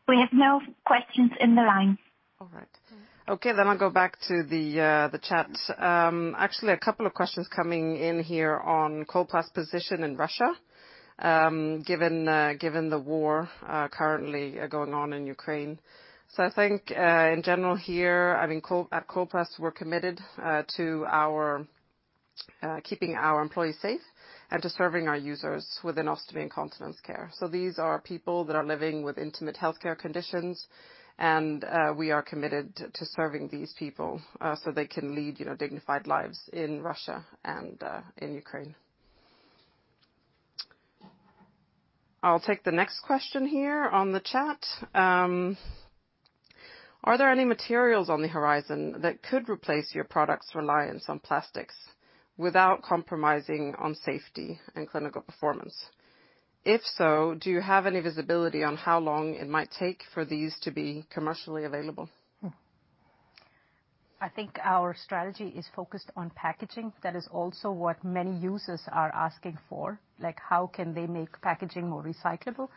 We have no questions in the line. All right. Okay, I'll go back to the chat. Actually, a couple of questions coming in here on Coloplast's position in Russia, given the war currently going on in Ukraine. I think, in general here, I mean, at Coloplast, we're committed to keeping our employees safe and to serving our users within ostomy and continence care. These are people that are living with intimate healthcare conditions, and we are committed to serving these people so they can lead, you know, dignified lives in Russia and in Ukraine. I'll take the next question here on the chat. Are there any materials on the horizon that could replace your products' reliance on plastics without compromising on safety and clinical performance? If so, do you have any visibility on how long it might take for these to be commercially available? I think our strategy is focused on packaging. That is also what many users are asking for, like how can they make packaging more recyclable.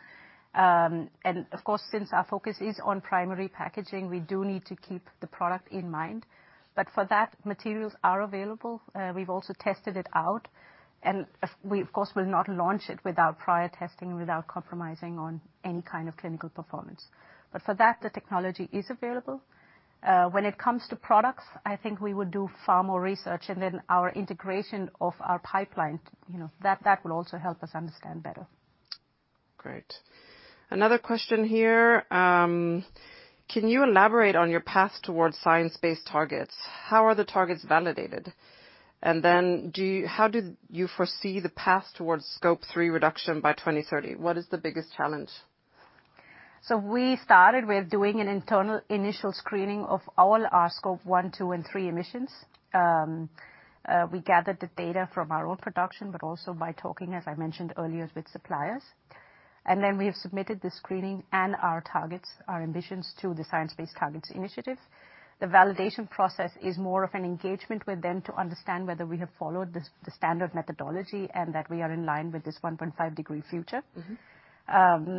Of course, since our focus is on primary packaging, we do need to keep the product in mind. For that, materials are available. We've also tested it out. We of course will not launch it without prior testing, without compromising on any kind of clinical performance. For that, the technology is available. When it comes to products, I think we would do far more research, and then our integration of our pipeline, you know, that will also help us understand better. Great. Another question here. Can you elaborate on your path towards science-based targets? How are the targets validated? And then how do you foresee the path towards scope three reduction by 2030? What is the biggest challenge? We started with doing an internal initial screening of all our Scope 1, 2, and 3 emissions. We gathered the data from our own production, but also by talking, as I mentioned earlier, with suppliers. We have submitted the screening and our targets, our ambitions to the Science Based Targets initiative. The validation process is more of an engagement with them to understand whether we have followed the standard methodology and that we are in line with this 1.5 degree We're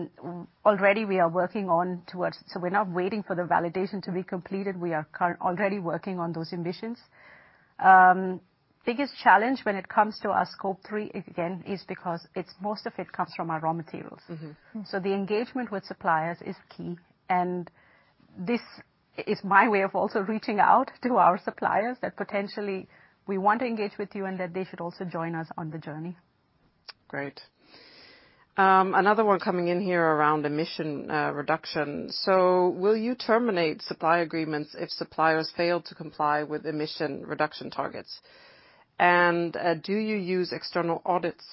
not waiting for the validation to be completed. We are already working on those ambitions. Biggest challenge when it comes to our Scope 3, again, is because most of it comes from our raw materials. The engagement with suppliers is key, and this is my way of also reaching out to our suppliers that potentially we want to engage with you, and that they should also join us on the journey. Great. Another one coming in here around emissions reduction. Will you terminate supply agreements if suppliers fail to comply with emissions reduction targets? Do you use external audits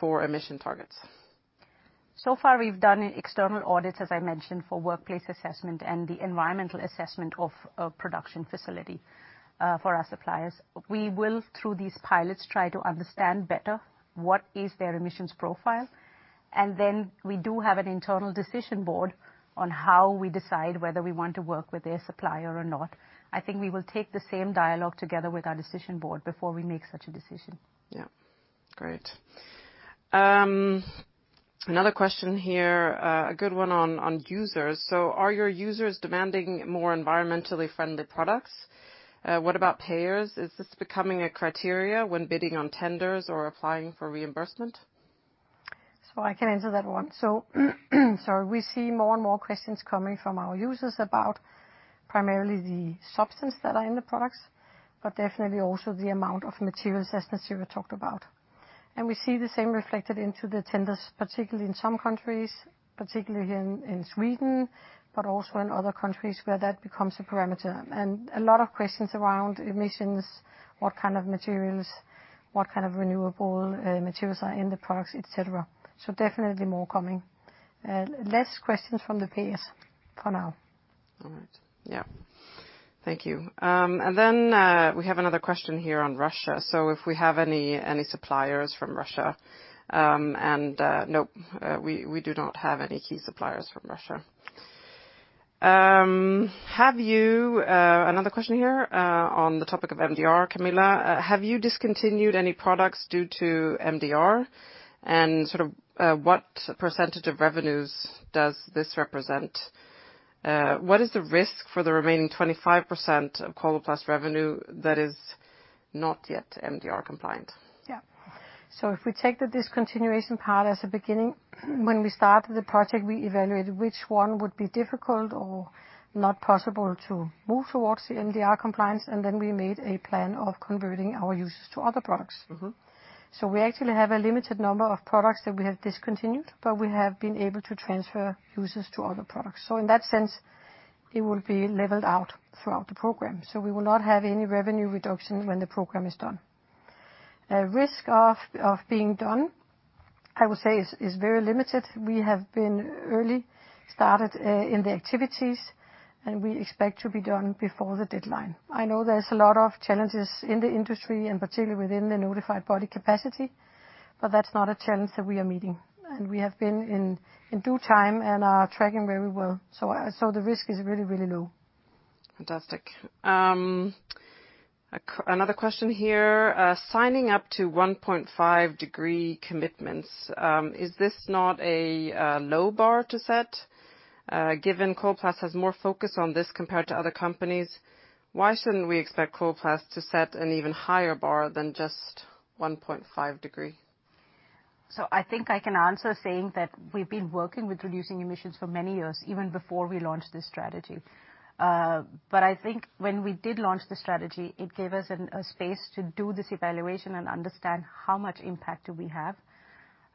for emissions targets? So far we've done external audits, as I mentioned, for workplace assessment and the environmental assessment of a production facility for our suppliers. We will, through these pilots, try to understand better what is their emissions profile, and then we do have an internal decision board on how we decide whether we want to work with their supplier or not. I think we will take the same dialogue together with our decision board before we make such a decision. Yeah. Great. Another question here, a good one on users. Are your users demanding more environmentally friendly products? What about payers? Is this becoming a criterion when bidding on tenders or applying for reimbursement? I can answer that one. Sorry. We see more and more questions coming from our users about primarily the substance that are in the products, but definitely also the amount of materials, as Nassera talked about. We see the same reflected into the tenders, particularly in some countries, particularly here in Sweden, but also in other countries where that becomes a parameter. A lot of questions around emissions, what kind of materials, what kind of renewable materials are in the products, et cetera. Definitely more coming. Less questions from the payers for now. All right. Yeah. Thank you. We have another question here on Russia. If we have any suppliers from Russia, nope, we do not have any key suppliers from Russia. Another question here on the topic of MDR, Camilla. Have you discontinued any products due to MDR? And sort of, what percentage of revenues does this represent? What is the risk for the remaining 25% of Coloplast revenue that is not yet MDR compliant? If we take the discontinuation part as a beginning, when we started the project, we evaluated which one would be difficult or not possible to move towards the MDR compliance, and then we made a plan of converting our users to other products. We actually have a limited number of products that we have discontinued, but we have been able to transfer users to other products. In that sense, it will be leveled out throughout the program. We will not have any revenue reduction when the program is done. Risk of being done, I would say is very limited. We have been early started in the activities, and we expect to be done before the deadline. I know there's a lot of challenges in the industry, and particularly within the notified body capacity, but that's not a challenge that we are meeting. We have been in due time, and are tracking very well. The risk is really low. Fantastic. Another question here. Signing up to 1.5 degree commitments, is this not a low bar to set? Given Coloplast has more focus on this compared to other companies, why shouldn't we expect Coloplast to set an even higher bar than just 1.5 degree? I think I can answer saying that we've been working with reducing emissions for many years, even before we launched this strategy. I think when we did launch the strategy, it gave us a space to do this evaluation and understand how much impact do we have.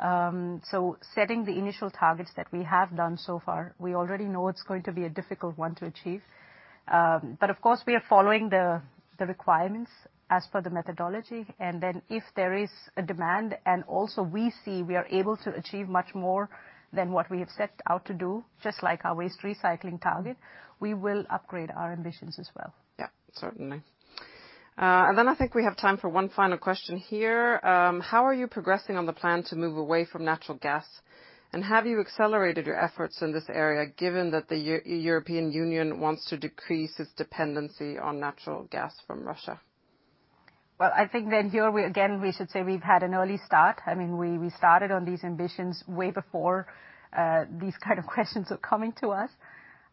Setting the initial targets that we have done so far, we already know it's going to be a difficult one to achieve. Of course, we are following the requirements as per the methodology. Then if there is a demand, and also we see we are able to achieve much more than what we have set out to do, just like our waste recycling target, we will upgrade our ambitions as well. Yeah, certainly. I think we have time for one final question here. How are you progressing on the plan to move away from natural gas? Have you accelerated your efforts in this area given that the European Union wants to decrease its dependency on natural gas from Russia? Well, I think that here, we again should say we've had an early start. I mean, we started on these ambitions way before these kind of questions are coming to us.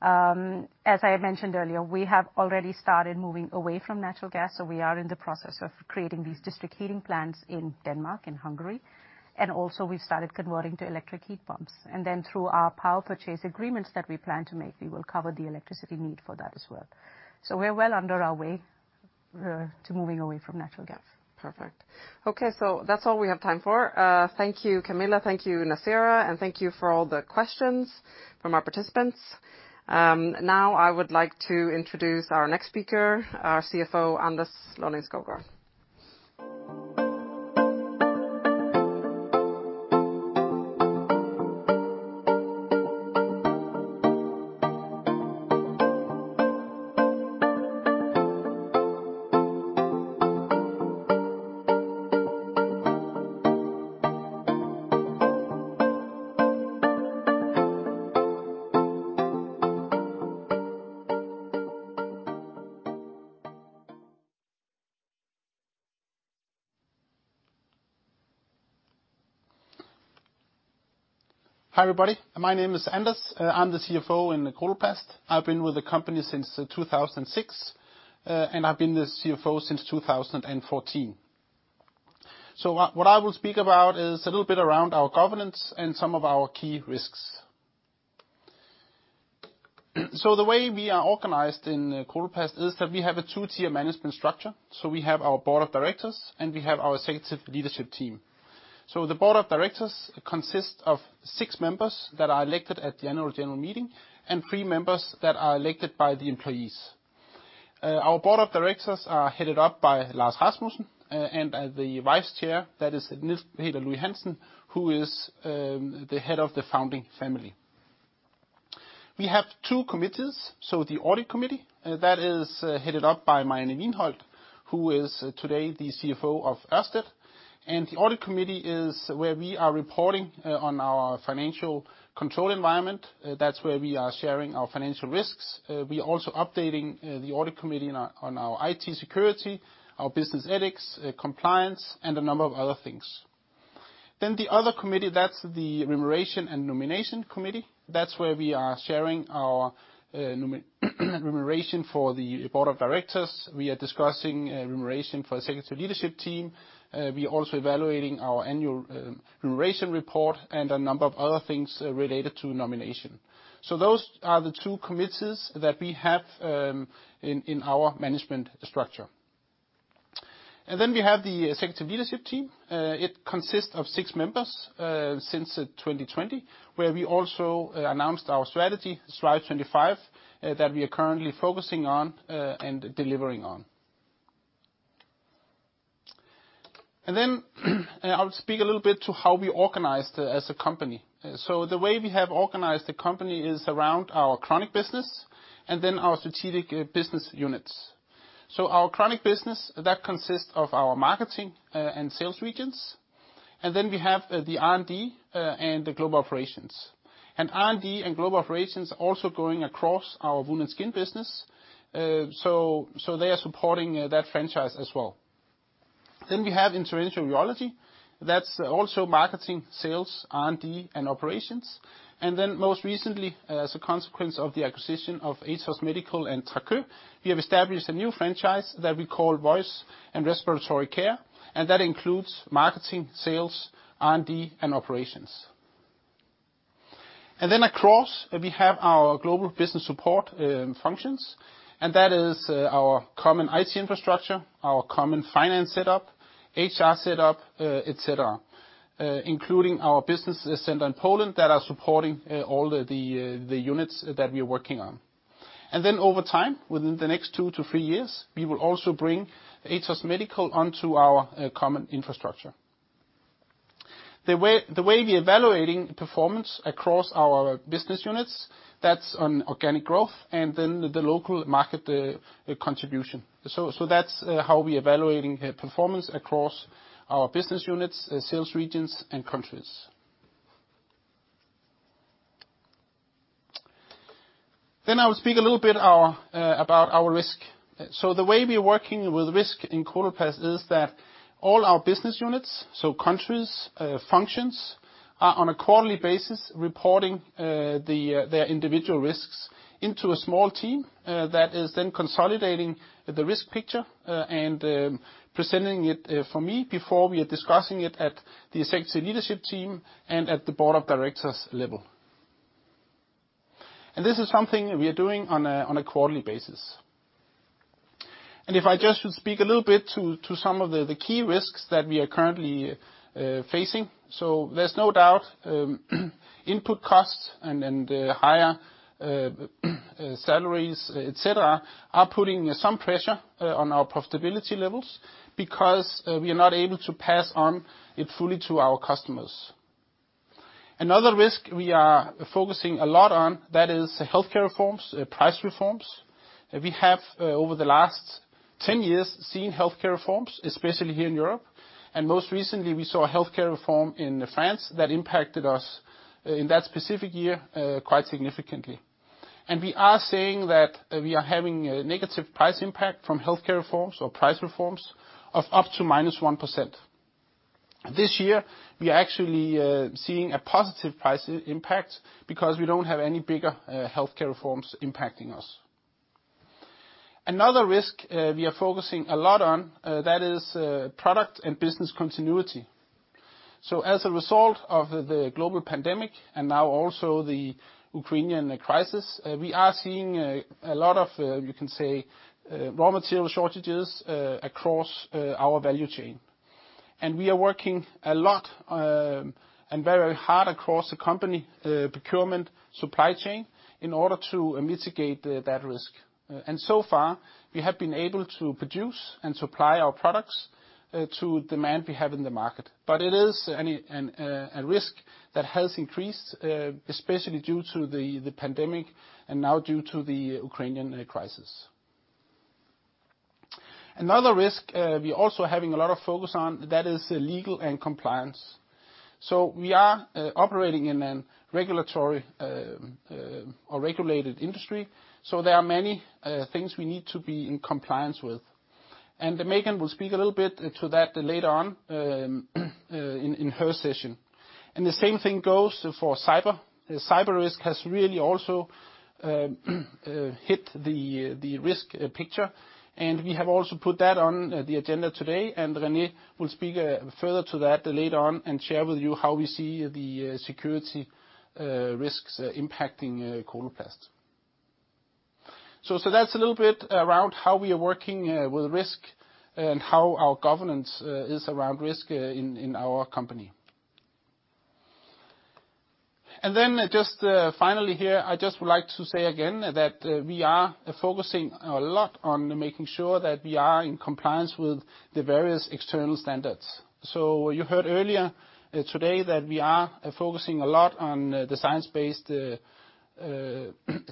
As I had mentioned earlier, we have already started moving away from natural gas, so we are in the process of creating these district heating plants in Denmark and Hungary. Also we've started converting to electric heat pumps. Then through our power purchase agreements that we plan to make, we will cover the electricity need for that as well. We're well underway to moving away from natural gas. Perfect. Okay, so that's all we have time for. Thank you, Camilla, thank you, Nassera, and thank you for all the questions from our participants. Now I would like to introduce our next speaker, our CFO, Anders Lonning-Skovgaard. Hi, everybody. My name is Anders. I'm the CFO in Coloplast. I've been with the company since 2006, and I've been the CFO since 2014. What I will speak about is a little bit around our governance and some of our key risks. The way we are organized in Coloplast is that we have a two-tier management structure. We have our Board of Directors, and we have our executive leadership team. The Board of Directors consists of six members that are elected at the Annual General Meeting and three members that are elected by the employees. Our Board of Directors are headed up by Lars Rasmussen, and the vice chair, that is Niels Peter Louis-Hansen, who is the head of the founding family. We have two committees. The audit committee, that is headed up by Marianne Wiinholt, who is today the CFO of Ørsted. The audit committee is where we are reporting on our financial control environment. That's where we are sharing our financial risks. We're also updating the audit committee on our IT security, our business ethics, compliance, and a number of other things. The other committee, that's the remuneration and nomination committee. That's where we are sharing our remuneration for the Board of Directors. We are discussing remuneration for Executive Leadership Team. We're also evaluating our annual remuneration report and a number of other things related to nomination. Those are the two committees that we have in our management structure. We have the Executive Leadership Team. It consists of six members since 2020, where we also announced our strategy, Strive25, that we are currently focusing on and delivering on. I'll speak a little bit to how we organized as a company. The way we have organized the company is around our chronic business and then our strategic business units. Our chronic business consists of our marketing and sales regions. We have the R&D and the Global Operations. R&D and Global Operations also going across our wound and skin business, so they are supporting that franchise as well. We have Interventional Urology. That's also marketing, sales, R&D, and operations. Most recently, as a consequence of the acquisition of Atos Medical and TRACOE, we have established a new franchise that we call Voice and Respiratory Care, and that includes marketing, sales, R&D, and operations. Across, we have our global business support functions, and that is our common IT infrastructure, our common finance setup, HR setup, et cetera, including our business center in Poland that are supporting all the units that we are working on. Over time, within the next two to three years, we will also bring Atos Medical onto our common infrastructure. The way we're evaluating performance across our business units, that's on organic growth and then the local market contribution. That's how we're evaluating performance across our business units, sales regions, and countries. I'll speak a little bit about our risk. The way we're working with risk in Coloplast is that all our business units, so countries, functions, are on a quarterly basis, reporting the individual risks into a small team that is then consolidating the risk picture and presenting it for me before we are discussing it at the Executive Leadership Team and at the Board of Directors level. This is something we are doing on a quarterly basis. If I just should speak a little bit to some of the key risks that we are currently facing. There's no doubt, input costs and higher salaries, et cetera, are putting some pressure on our profitability levels because we are not able to pass on it fully to our customers. Another risk we are focusing a lot on, that is healthcare reforms, price reforms. We have over the last 10 years seen healthcare reforms, especially here in Europe. Most recently, we saw a healthcare reform in France that impacted us in that specific year, quite significantly. We are saying that we are having a negative price impact from healthcare reforms or price reforms of up to -1%. This year, we are actually seeing a positive price impact because we don't have any bigger healthcare reforms impacting us. Another risk we are focusing a lot on, that is product and business continuity. As a result of the global pandemic and now also the Ukrainian crisis, we are seeing a lot of, you can say, raw material shortages across our value chain. We are working a lot and very hard across the company procurement supply chain in order to mitigate that risk. So far, we have been able to produce and supply our products to demand we have in the market. It is a risk that has increased especially due to the pandemic and now due to the Ukrainian crisis. Another risk we're also having a lot of focus on, that is legal and compliance. We are operating in a regulatory or regulated industry, so there are many things we need to be in compliance with. Megan will speak a little bit into that later on in her session. The same thing goes for cyber. Cyber risk has really also hit the risk picture, and we have also put that on the agenda today, and René will speak further to that later on and share with you how we see the security risks impacting Coloplast. That's a little bit around how we are working with risk and how our governance is around risk in our company. Just finally here, I just would like to say again that we are focusing a lot on making sure that we are in compliance with the various external standards. You heard earlier today that we are focusing a lot on the science-based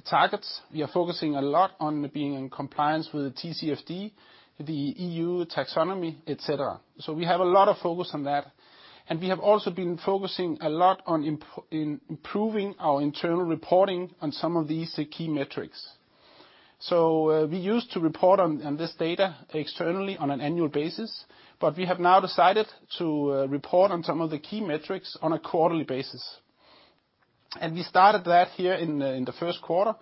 targets. We are focusing a lot on being in compliance with the TCFD, the EU taxonomy, et cetera. We have a lot of focus on that, and we have also been focusing a lot on improving our internal reporting on some of these key metrics. We used to report on this data externally on an annual basis, but we have now decided to report on some of the key metrics on a quarterly basis. We started that here in the first quarter,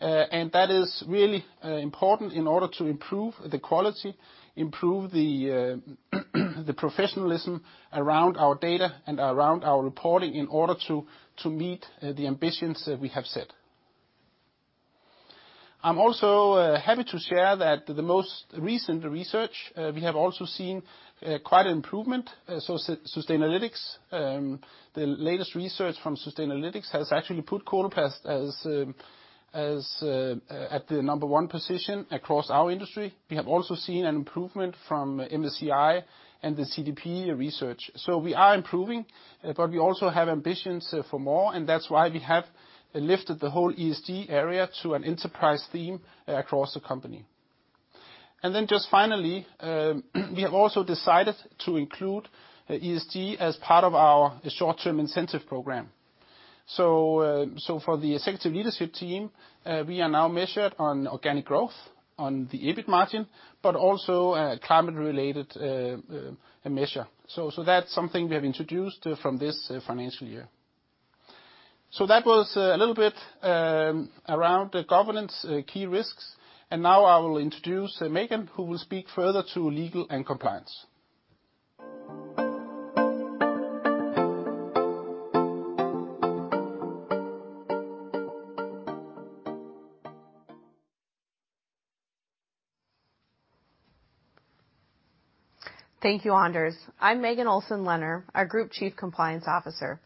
and that is really important in order to improve the quality, improve the professionalism around our data and around our reporting in order to meet the ambitions that we have set. I'm also happy to share that the most recent research we have also seen quite an improvement. Sustainalytics, the latest research from Sustainalytics has actually put Coloplast as at the number one position across our industry. We have also seen an improvement from MSCI and the CDP research. We are improving, but we also have ambitions for more, and that's why we have lifted the whole ESG area to an enterprise theme across the company. Just finally, we have also decided to include ESG as part of our short-term incentive program. For the Executive Leadership Team, we are now measured on organic growth, on the EBIT margin, but also a climate-related measure. That's something we have introduced from this financial year. That was a little bit around the governance, key risks, and now I will introduce Megan, who will speak further to legal and compliance. Thank you, Anders. I'm Megan Olson-Lehner, our Group Chief Compliance Officer.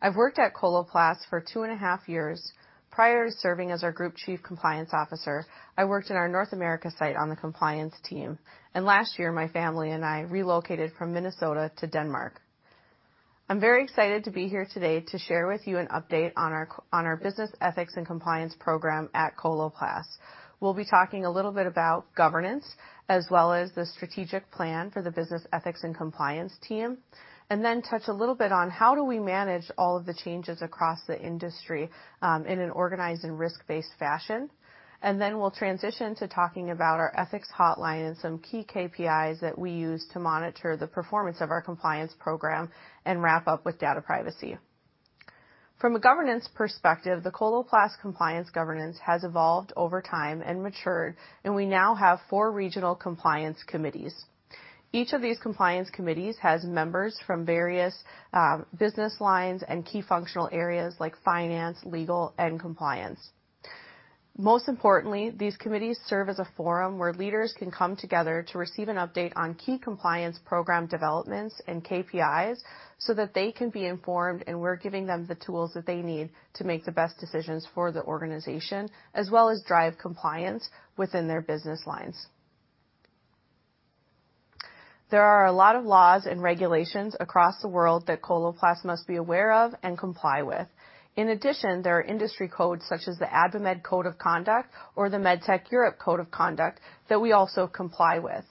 I've worked at Coloplast for two and a half years. Prior to serving as our Group Chief Compliance Officer, I worked in our North America site on the Compliance team, and last year, my family and I relocated from Minnesota to Denmark. I'm very excited to be here today to share with you an update on our Business Ethics and Compliance Program at Coloplast. We'll be talking a little bit about governance as well as the strategic plan for the business ethics and compliance team, and then touch a little bit on how do we manage all of the changes across the industry in an organized and risk-based fashion. Then we'll transition to talking about our Ethics Hotline and some key KPIs that we use to monitor the performance of our Compliance Program and wrap up with data privacy. From a governance perspective, the Coloplast compliance governance has evolved over time and matured, and we now have four regional compliance committees. Each of these compliance committees has members from various business lines and key functional areas like finance, legal, and compliance. Most importantly, these committees serve as a forum where leaders can come together to receive an update on key compliance program developments and KPIs so that they can be informed, and we're giving them the tools that they need to make the best decisions for the organization, as well as drive compliance within their business lines. There are a lot of laws and regulations across the world that Coloplast must be aware of and comply with. In addition, there are industry codes such as the AdvaMed Code of Conduct or the MedTech Europe Code of Conduct that we also comply with.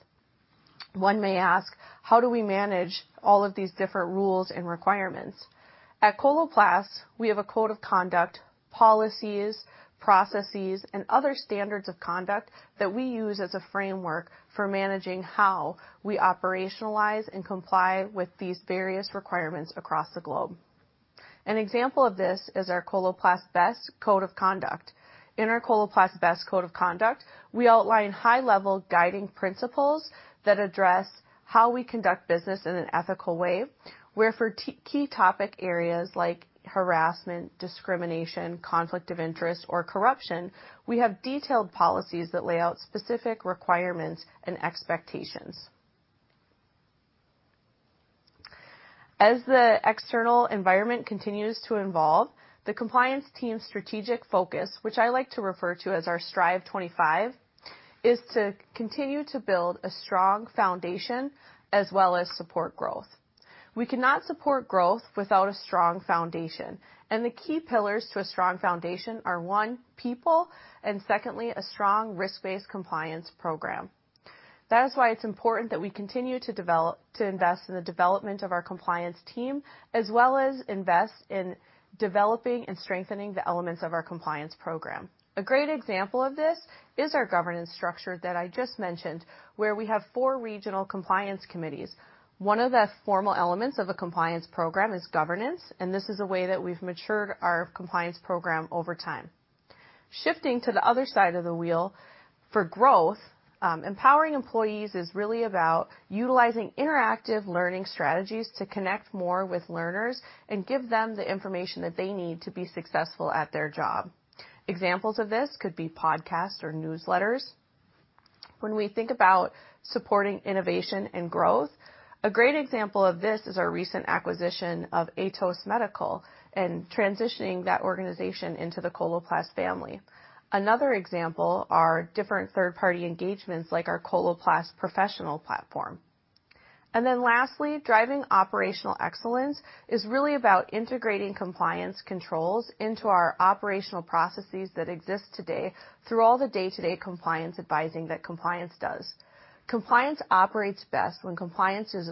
One may ask, "How do we manage all of these different rules and requirements?" At Coloplast, we have a code of conduct, policies, processes, and other standards of conduct that we use as a framework for managing how we operationalize and comply with these various requirements across the globe. An example of this is our Coloplast BEST Code of Conduct. In our Coloplast BEST Code of Conduct, we outline high-level guiding principles that address how we conduct business in an ethical way, where for key topic areas like harassment, discrimination, conflict of interest, or corruption, we have detailed policies that lay out specific requirements and expectations. As the external environment continues to evolve, the compliance team's strategic focus, which I like to refer to as our Strive25, is to continue to build a strong foundation as well as support growth. We cannot support growth without a strong foundation, and the key pillars to a strong foundation are, one, people, and secondly, a strong risk-based compliance program. That is why it's important that we continue to invest in the development of our compliance team, as well as invest in developing and strengthening the elements of our Compliance Program. A great example of this is our governance structure that I just mentioned, where we have four regional compliance committees. One of the formal elements of a compliance program is governance, and this is a way that we've matured our Compliance Program over time. Shifting to the other side of the wheel, for growth, empowering employees is really about utilizing interactive learning strategies to connect more with learners and give them the information that they need to be successful at their job. Examples of this could be podcasts or newsletters. When we think about supporting innovation and growth, a great example of this is our recent acquisition of Atos Medical and transitioning that organization into the Coloplast family. Another example are different third-party engagements like our Coloplast Professional platform. Then lastly, driving operational excellence is really about integrating compliance controls into our operational processes that exist today through all the day-to-day compliance advising that compliance does. Compliance operates best when compliance is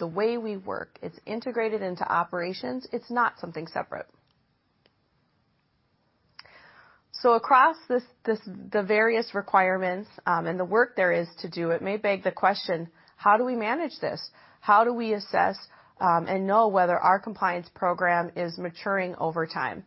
the way we work. It's integrated into operations. It's not something separate. Across this, the various requirements, and the work there is to do, it may beg the question, how do we manage this? How do we assess, and know whether our Compliance Program is maturing over time?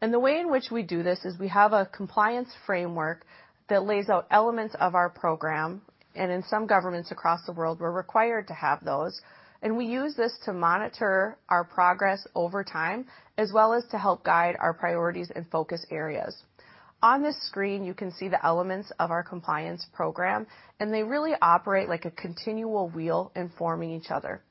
The way in which we do this is we have a compliance framework that lays out elements of our program, and in some governments across the world, we're required to have those. We use this to monitor our progress over time, as well as to help guide our priorities and focus areas. On this screen, you can see the elements of our Compliance Program, and they really operate like a continual wheel informing each other.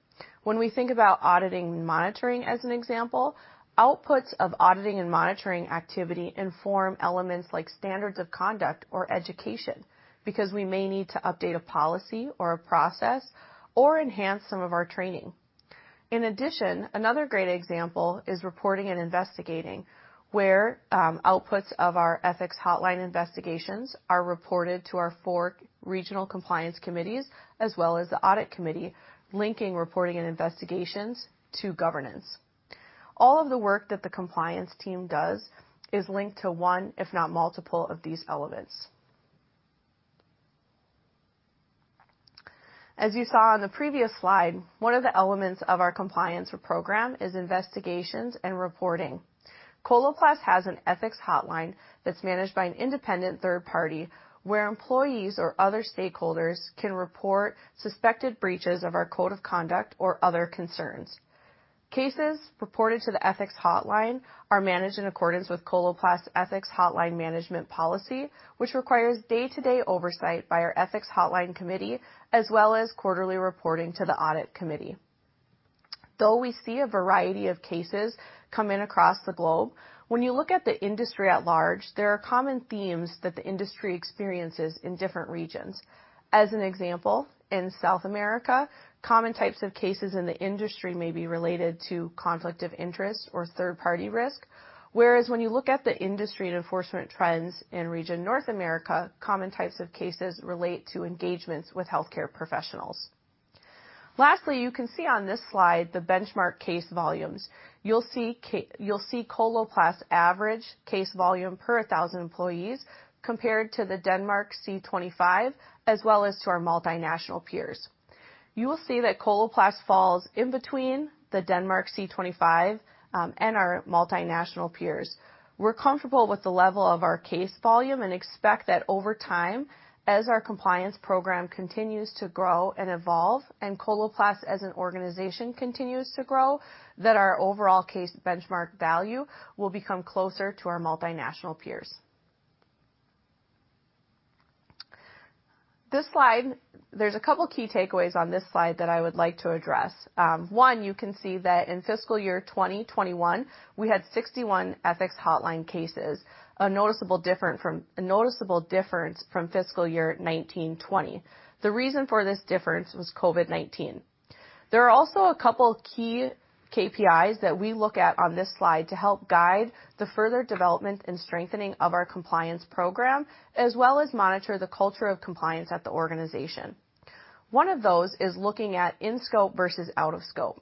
When we think about auditing and monitoring, as an example, outputs of auditing and monitoring activity inform elements like standards of conduct or education, because we may need to update a policy or a process or enhance some of our training. In addition, another great example is reporting and investigating, where outputs of our Ethics Hotline investigations are reported to our four regional compliance committees as well as the audit committee, linking reporting and investigations to governance. All of the work that the compliance team does is linked to one, if not multiple, of these elements. As you saw on the previous slide, one of the elements of our Compliance Program is investigations and reporting. Coloplast has an Ethics Hotline that's managed by an independent third party, where employees or other stakeholders can report suspected breaches of our code of conduct or other concerns. Cases reported to the Ethics Hotline are managed in accordance with Coloplast's Ethics Hotline management policy, which requires day-to-day oversight by our Ethics Hotline committee, as well as quarterly reporting to the audit committee. Though we see a variety of cases come in across the globe, when you look at the industry at large, there are common themes that the industry experiences in different regions. As an example, in South America, common types of cases in the industry may be related to conflict of interest or third-party risk, whereas when you look at the industry and enforcement trends in region North America, common types of cases relate to engagements with healthcare professionals. Lastly, you can see on this slide the benchmark case volumes. You'll see Coloplast's average case volume per 1,000 employees compared to the Denmark C25, as well as to our multinational peers. You will see that Coloplast falls in between the Denmark C25 and our multinational peers. We're comfortable with the level of our case volume and expect that over time, as our Compliance Program continues to grow and evolve and Coloplast as an organization continues to grow, that our overall case benchmark value will become closer to our multinational peers. This slide, there's a couple key takeaways on this slide that I would like to address. One, you can see that in fiscal year 2021, we had 61 Ethics Hotline cases, a noticeable difference from fiscal year 2020. The reason for this difference was COVID-19. There are also a couple of key KPIs that we look at on this slide to help guide the further development and strengthening of our Compliance Program, as well as monitor the culture of compliance at the organization. One of those is looking at in-scope versus out-of-scope.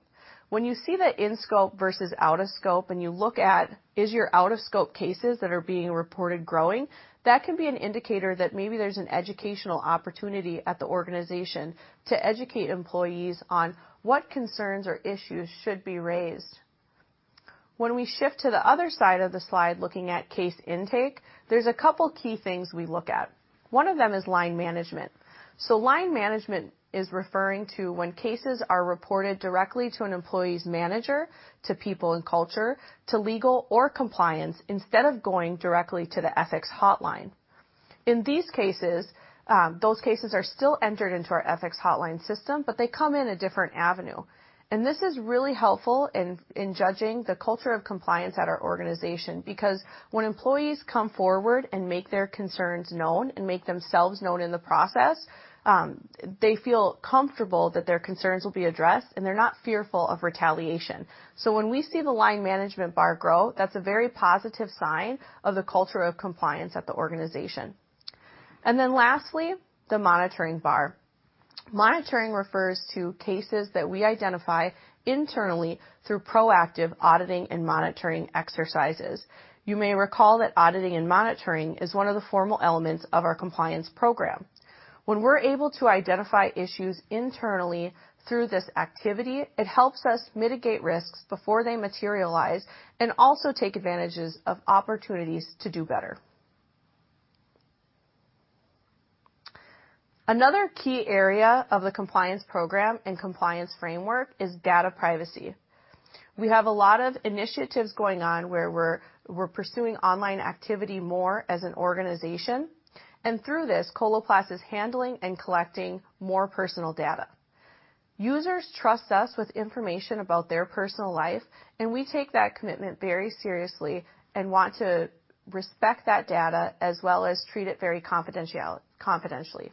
When you see the in-scope versus out-of-scope and you look at is your out-of-scope cases that are being reported growing, that can be an indicator that maybe there's an educational opportunity at the organization to educate employees on what concerns or issues should be raised. When we shift to the other side of the slide, looking at case intake, there's a couple key things we look at. One of them is line management. Line management is referring to when cases are reported directly to an employee's manager, to people and culture, to legal or compliance, instead of going directly to the ethics hotline. In these cases, those cases are still entered into our ethics hotline system, but they come in a different avenue. This is really helpful in judging the culture of compliance at our organization because when employees come forward and make their concerns known and make themselves known in the process, they feel comfortable that their concerns will be addressed, and they're not fearful of retaliation. When we see the line management bar grow, that's a very positive sign of the culture of compliance at the organization. Lastly, the monitoring bar. Monitoring refers to cases that we identify internally through proactive auditing and monitoring exercises. You may recall that auditing and monitoring is one of the formal elements of our Compliance Program. When we're able to identify issues internally through this activity, it helps us mitigate risks before they materialize and also take advantages of opportunities to do better. Another key area of the compliance program and compliance framework is data privacy. We have a lot of initiatives going on where we're pursuing online activity more as an organization, and through this, Coloplast is handling and collecting more personal data. Users trust us with information about their personal life, and we take that commitment very seriously and want to respect that data as well as treat it very confidentially.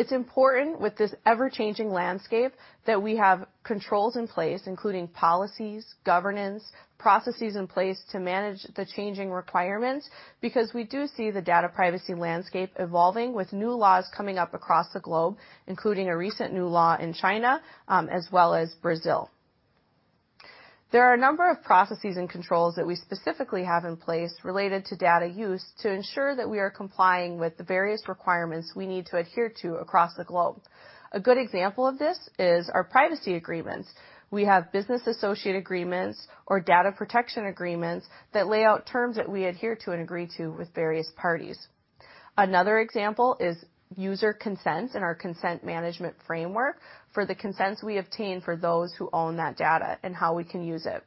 It's important with this ever-changing landscape that we have controls in place, including policies, governance, processes in place to manage the changing requirements, because we do see the data privacy landscape evolving with new laws coming up across the globe, including a recent new law in China, as well as Brazil. There are a number of processes and controls that we specifically have in place related to data use to ensure that we are complying with the various requirements we need to adhere to across the globe. A good example of this is our privacy agreements. We have business associate agreements or data protection agreements that lay out terms that we adhere to and agree to with various parties. Another example is user consents and our consent management framework for the consents we obtain for those who own that data and how we can use it.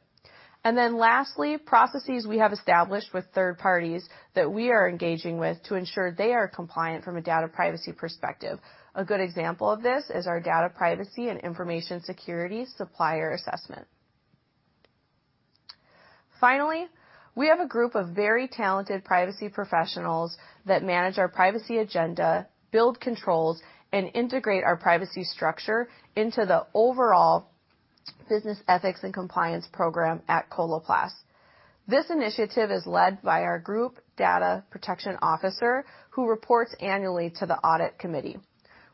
Lastly, processes we have established with third parties that we are engaging with to ensure they are compliant from a data privacy perspective. A good example of this is our data privacy and information security supplier assessment. Finally, we have a group of very talented privacy professionals that manage our privacy agenda, build controls, and integrate our privacy structure into the overall Business Ethics and Compliance Program at Coloplast. This initiative is led by our group data protection officer, who reports annually to the Audit Committee.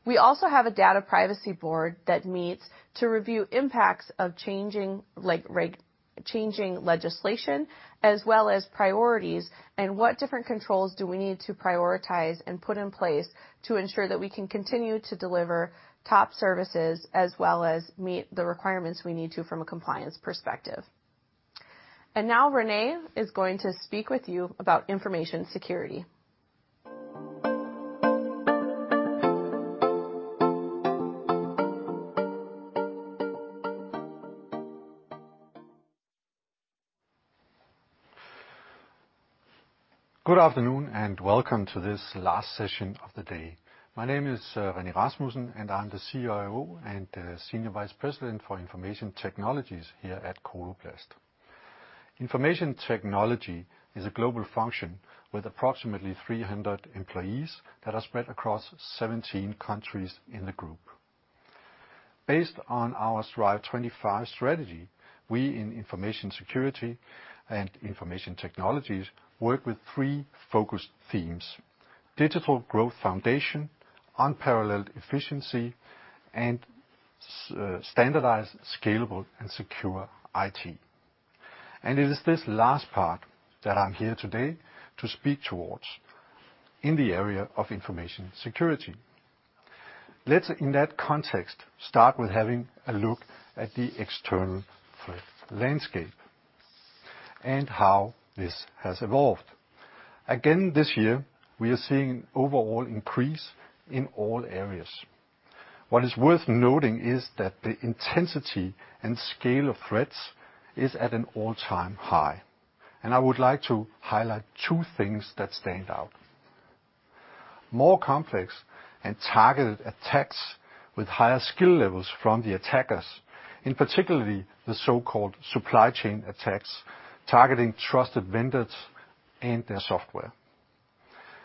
We also have a data privacy board that meets to review impacts of changing legislation as well as priorities and what different controls do we need to prioritize and put in place to ensure that we can continue to deliver top services as well as meet the requirements we need to from a compliance perspective. Now René is going to speak with you about information security. Good afternoon, and welcome to this last session of the day. My name is René Rasmussen, and I'm the CIO and Senior Vice President for Information Technologies here at Coloplast. Information technology is a global function with approximately 300 employees that are spread across 17 countries in the group. Based on our Strive25 strategy, we in Information Security and Information Technologies work with three focus themes: digital growth foundation, unparalleled efficiency, and standardized, scalable, and secure IT. It is this last part that I'm here today to speak towards in the area of information security. Let's in that context start with having a look at the external threat landscape and how this has evolved. Again, this year, we are seeing overall increase in all areas. What is worth noting is that the intensity and scale of threats is at an all-time high. I would like to highlight two things that stand out. More complex and targeted attacks with higher skill levels from the attackers, in particular the so-called supply chain attacks, targeting trusted vendors and their software.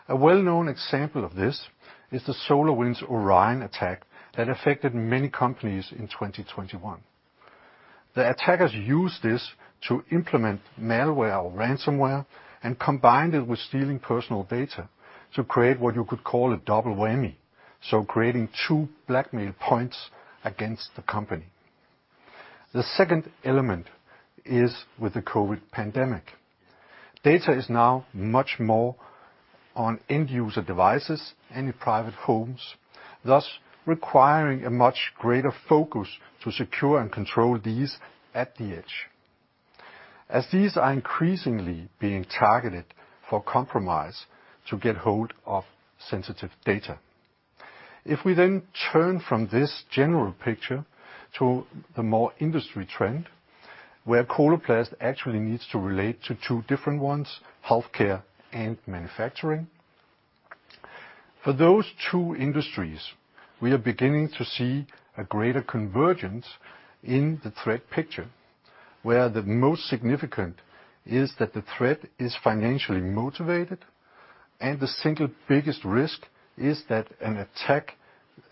A well-known example of this is the SolarWinds Orion attack that affected many companies in 2021. The attackers used this to implement malware or ransomware and combined it with stealing personal data to create what you could call a double whammy, so creating two blackmail points against the company. The second element is with the COVID pandemic. Data is now much more on end-user devices and in private homes, thus requiring a much greater focus to secure and control these at the edge, as these are increasingly being targeted for compromise to get hold of sensitive data. If we then turn from this general picture to a more industry trend, where Coloplast actually needs to relate to two different ones, healthcare and manufacturing. For those two industries, we are beginning to see a greater convergence in the threat picture, where the most significant is that the threat is financially motivated and the single biggest risk is that an attack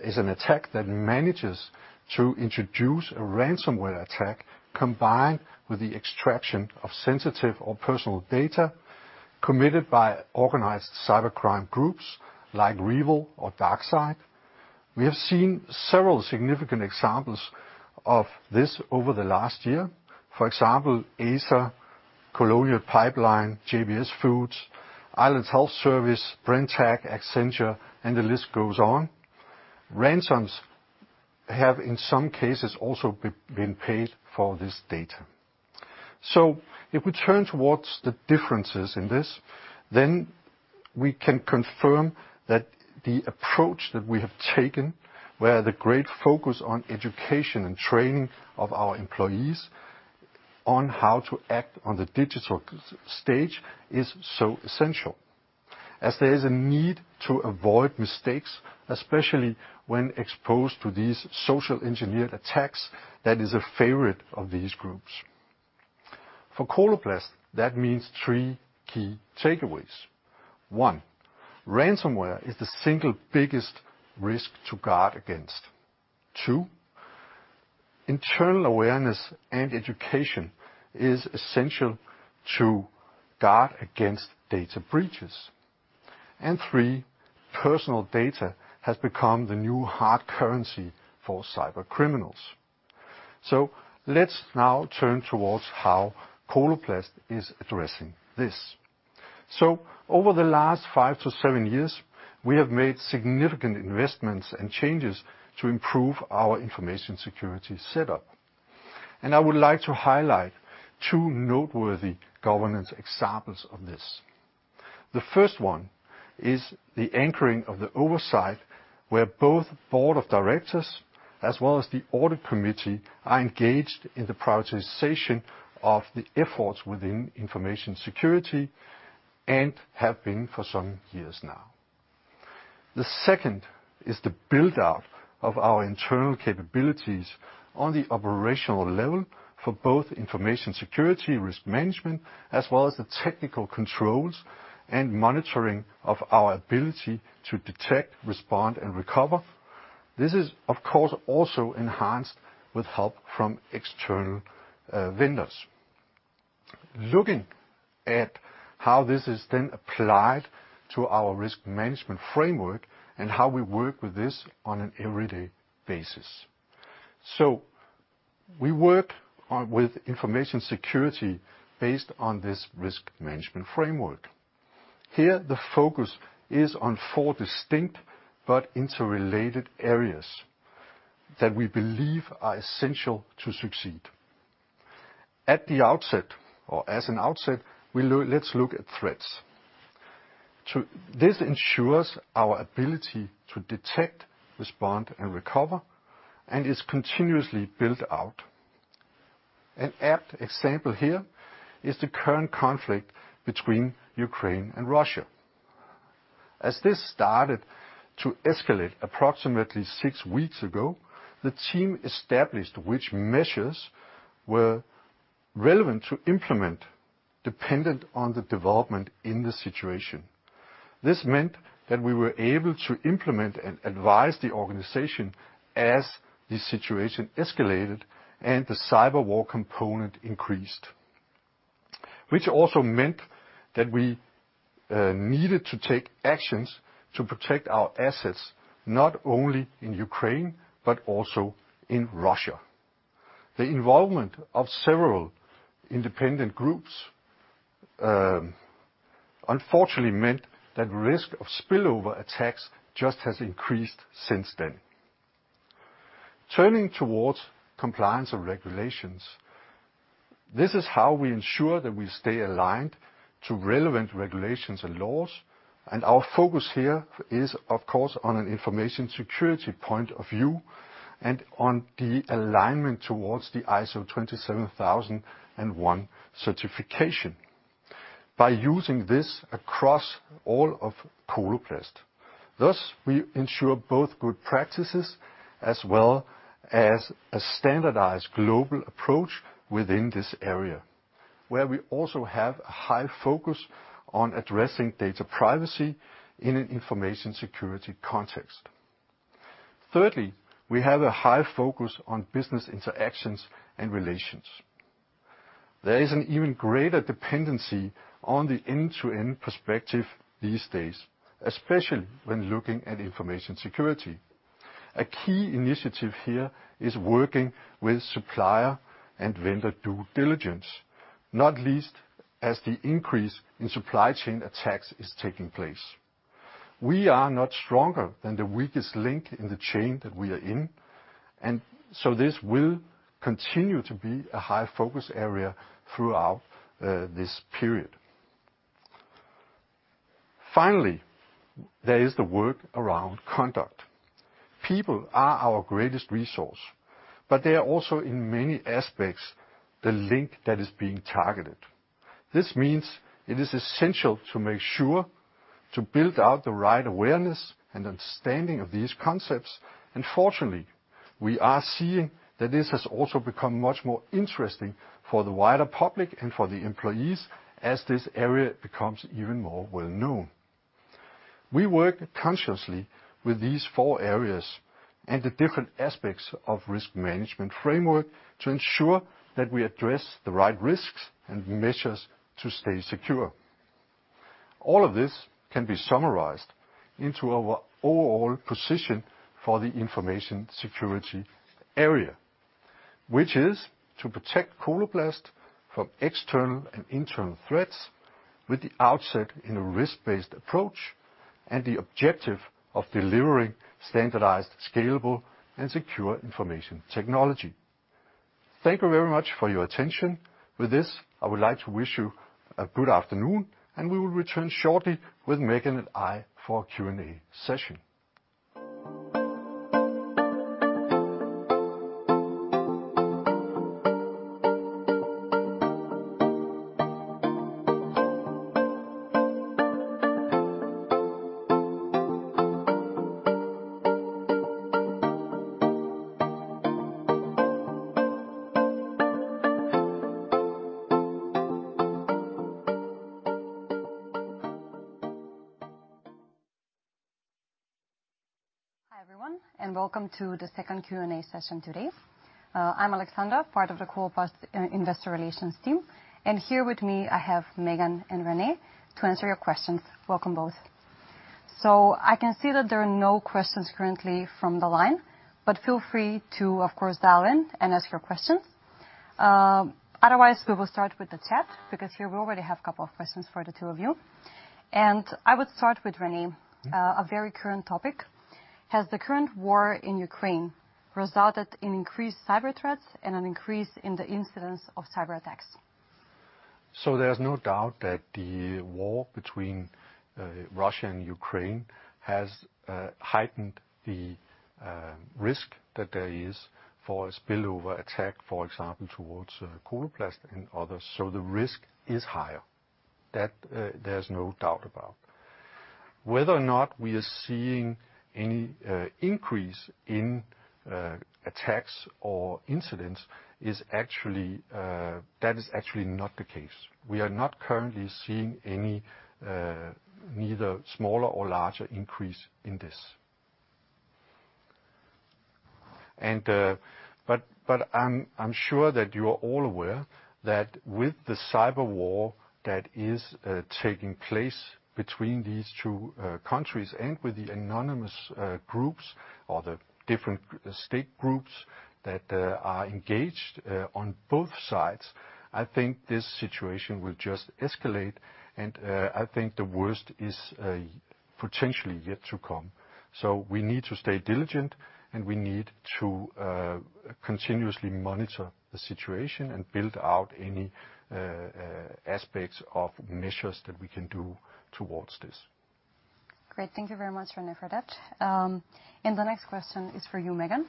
is an attack that manages to introduce a ransomware attack combined with the extraction of sensitive or personal data committed by organized cybercrime groups like REvil or DarkSide. We have seen several significant examples of this over the last year. For example, Acer, Colonial Pipeline, JBS Foods, Ireland's health service, Brenntag, Accenture, and the list goes on. Ransoms have, in some cases, also been paid for this data. If we turn towards the differences in this, then we can confirm that the approach that we have taken, where the great focus on education and training of our employees on how to act in the digital space, is so essential. There is a need to avoid mistakes, especially when exposed to these socially engineered attacks, that is a favorite of these groups. For Coloplast, that means three key takeaways. One, ransomware is the single biggest risk to guard against. Two, internal awareness and education is essential to guard against data breaches. Three, personal data has become the new hard currency for cybercriminals. Let's now turn towards how Coloplast is addressing this. Over the last five to seven years, we have made significant investments and changes to improve our information security setup, and I would like to highlight two noteworthy governance examples of this. The first one is the anchoring of the oversight, where both Board of Directors as well as the Audit Committee are engaged in the prioritization of the efforts within Information Security, and have been for some years now. The second is the build-out of our internal capabilities on the operational level for both Information Security Risk Management, as well as the technical controls and monitoring of our ability to detect, respond, and recover. This is, of course, also enhanced with help from external vendors. Looking at how this is then applied to our risk management framework and how we work with this on an everyday basis. We work with Information Security based on this risk management framework. Here, the focus is on four distinct but interrelated areas that we believe are essential to succeed. At the outset, we'll look at threats. This ensures our ability to detect, respond, and recover, and is continuously built out. An apt example here is the current conflict between Ukraine and Russia. As this started to escalate approximately six weeks ago, the team established which measures were relevant to implement dependent on the development in the situation. This meant that we were able to implement and advise the organization as the situation escalated and the cyber war component increased, which also meant that we needed to take actions to protect our assets, not only in Ukraine, but also in Russia. The involvement of several independent groups unfortunately meant that risk of spillover attacks just has increased since then. Turning towards compliance of regulations, this is how we ensure that we stay aligned to relevant regulations and laws, and our focus here is, of course, on an information security point of view and on the alignment towards the ISO 27001 certification. By using this across all of Coloplast, thus we ensure both good practices as well as a standardized global approach within this area, where we also have a high focus on addressing data privacy in an information security context. Thirdly, we have a high focus on business interactions and relations. There is an even greater dependency on the end-to-end perspective these days, especially when looking at Information Security. A key initiative here is working with supplier and vendor due diligence, not least as the increase in supply chain attacks is taking place. We are not stronger than the weakest link in the chain that we are in, and so this will continue to be a high focus area throughout this period. Finally, there is the work around conduct. People are our greatest resource, but they are also, in many aspects, the link that is being targeted. This means it is essential to make sure to build out the right awareness and understanding of these concepts. Fortunately, we are seeing that this has also become much more interesting for the wider public and for the employees as this area becomes even more well-known. We work consciously with these four areas and the different aspects of risk management framework to ensure that we address the right risks and measures to stay secure. All of this can be summarized into our overall position for the information security area, which is to protect Coloplast from external and internal threats with the outset in a risk-based approach and the objective of delivering standardized, scalable, and secure information technology. Thank you very much for your attention. With this, I would like to wish you a good afternoon, and we will return shortly with Megan and I for a Q&A session. Hi, everyone, and welcome to the second Q&A session today. I'm Aleksandra, part of the Coloplast Investor Relations team, and here with me I have Megan and René to answer your questions. Welcome, both. I can see that there are no questions currently from the line. Feel free to, of course, dial in and ask your questions. Otherwise we will start with the chat because here we already have a couple of questions for the two of you. I would start with René. A very current topic. Has the current war in Ukraine resulted in increased cyber threats and an increase in the incidence of cyber attacks? There's no doubt that the war between Russia and Ukraine has heightened the risk that there is for a spillover attack, for example, towards Coloplast and others. The risk is higher. That there's no doubt about. Whether or not we are seeing any increase in attacks or incidents is actually not the case. We are not currently seeing any neither smaller or larger increase in this. But I'm sure that you are all aware that with the cyber war that is taking place between these two countries and with the anonymous groups or the different state groups that are engaged on both sides, I think this situation will just escalate and I think the worst is potentially yet to come. We need to stay diligent, and we need to continuously monitor the situation and build out any aspects of measures that we can do towards this. Great. Thank you very much, René, for that. The next question is for you, Megan.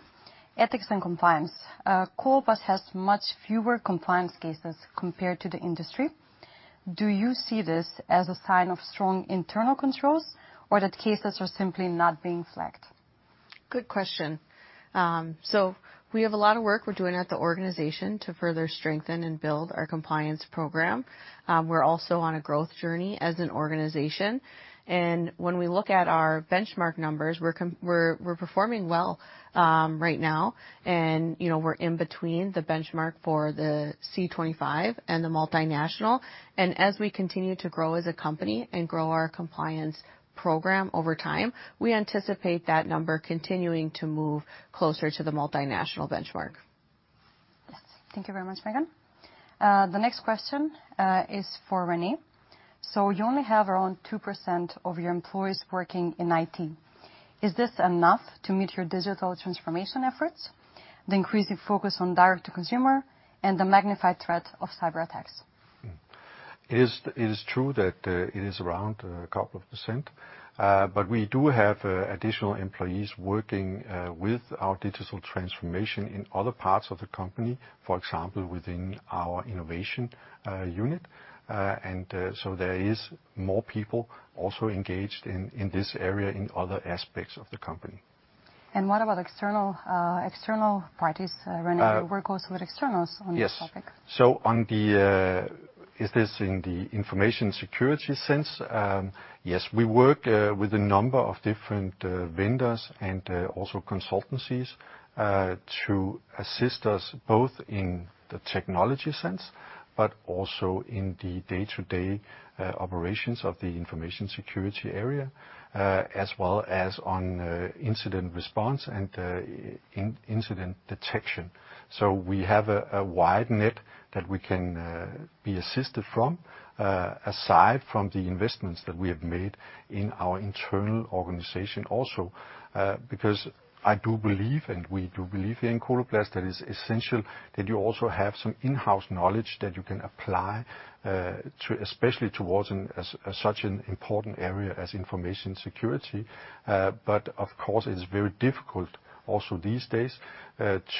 Ethics and compliance. Coloplast has much fewer compliance cases compared to the industry. Do you see this as a sign of strong internal controls or that cases are simply not being flagged? Good question. We have a lot of work we're doing at the organization to further strengthen and build our Compliance Program. We're also on a growth journey as an organization, and when we look at our benchmark numbers, we're performing well right now, you know, and we're in between the benchmark for the C25 and the multinational. As we continue to grow as a company and grow our Compliance Program over time, we anticipate that number continuing to move closer to the multinational benchmark. Yes. Thank you very much, Megan. The next question is for René. You only have around 2% of your employees working in IT. Is this enough to meet your digital transformation efforts, the increasing focus on direct to consumer, and the magnified threat of cyber attacks? It is true that it is around a couple of percent. We do have additional employees working with our digital transformation in other parts of the company, for example, within our innovation unit. There is more people also engaged in this area in other aspects of the company. What about external parties, René? You work also with externals on this topic. Yes. On the, is this in the information security sense? Yes, we work with a number of different vendors and also consultancies to assist us both in the technology sense, but also in the day-to-day operations of the information security area as well as on incident response and incident detection. We have a wide net that we can be assisted from, aside from the investments that we have made in our internal organization also. Because I do believe, and we do believe here in Coloplast, that it's essential that you also have some in-house knowledge that you can apply to, especially towards such an important area as information security. Of course it is very difficult also these days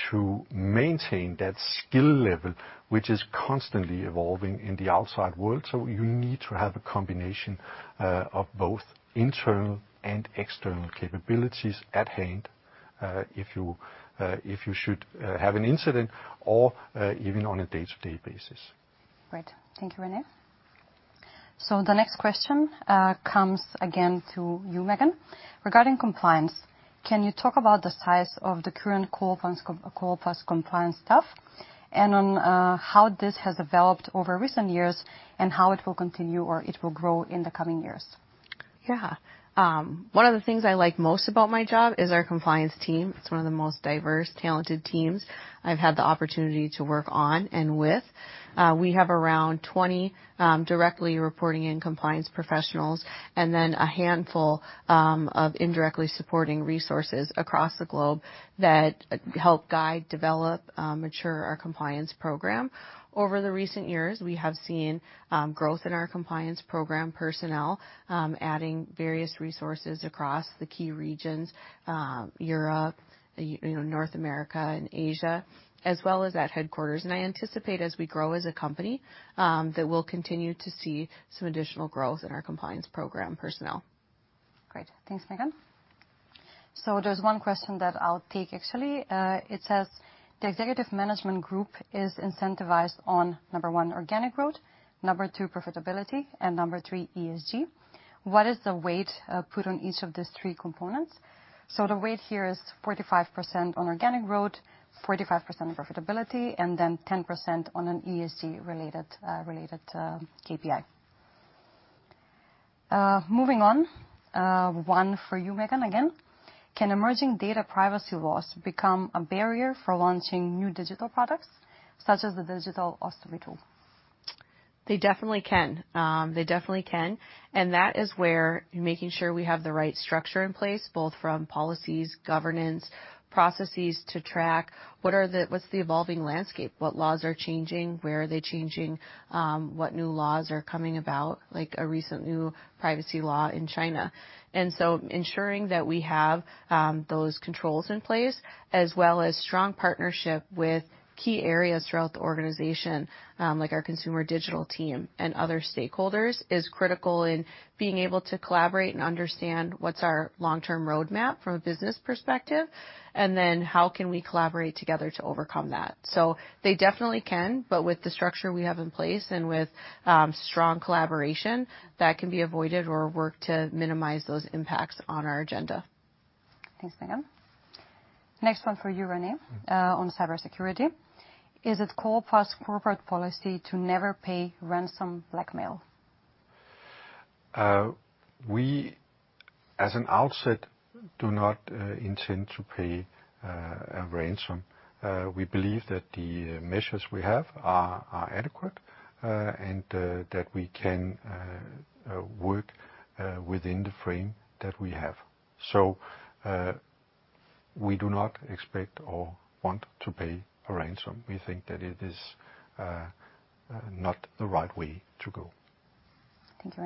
to maintain that skill level, which is constantly evolving in the outside world, so you need to have a combination of both internal and external capabilities at hand if you should have an incident or even on a day-to-day basis. Great. Thank you, René. The next question comes again to you, Megan. Regarding compliance, can you talk about the size of the current Coloplast Compliance staff, and on how this has developed over recent years, and how it will continue or it will grow in the coming years? Yeah. One of the things I like most about my job is our Compliance team. It's one of the most diverse, talented teams I've had the opportunity to work on and with. We have around 20 directly reporting in compliance professionals, and then a handful of indirectly supporting resources across the globe that help guide, develop, mature our Compliance Program. Over the recent years, we have seen growth in our Compliance Program personnel, adding various resources across the key regions, Europe, you know, North America and Asia, as well as at headquarters. I anticipate as we grow as a company, that we'll continue to see some additional growth in our Compliance Program personnel. Great. Thanks, Megan. There's one question that I'll take actually. It says the executive management group is incentivized on, number one, organic growth, number two, profitability, and number three, ESG. What is the weight put on each of these three components? The weight here is 45% on organic growth, 45% on profitability, and then 10% on an ESG related KPI. Moving on, one for you, Megan, again. Can emerging data privacy laws become a barrier for launching new digital products, such as the digital ostomy tool? They definitely can, and that is where making sure we have the right structure in place, both from policies, governance, processes to track what's the evolving landscape, what laws are changing, where are they changing, what new laws are coming about, like a recent new privacy law in China. Ensuring that we have those controls in place, as well as strong partnership with key areas throughout the organization, like our consumer digital team and other stakeholders, is critical in being able to collaborate and understand what's our long-term roadmap from a business perspective, and then how can we collaborate together to overcome that. They definitely can, but with the structure we have in place and with strong collaboration, that can be avoided or worked to minimize those impacts on our agenda. Thanks, Megan. Next one for you, René, on cybersecurity. Is it Coloplast corporate policy to never pay ransom blackmail? We as an outset do not intend to pay a ransom. We believe that the measures we have are adequate and that we can work within the frame that we have. We do not expect or want to pay a ransom. We think that it is not the right way to go. Thank you,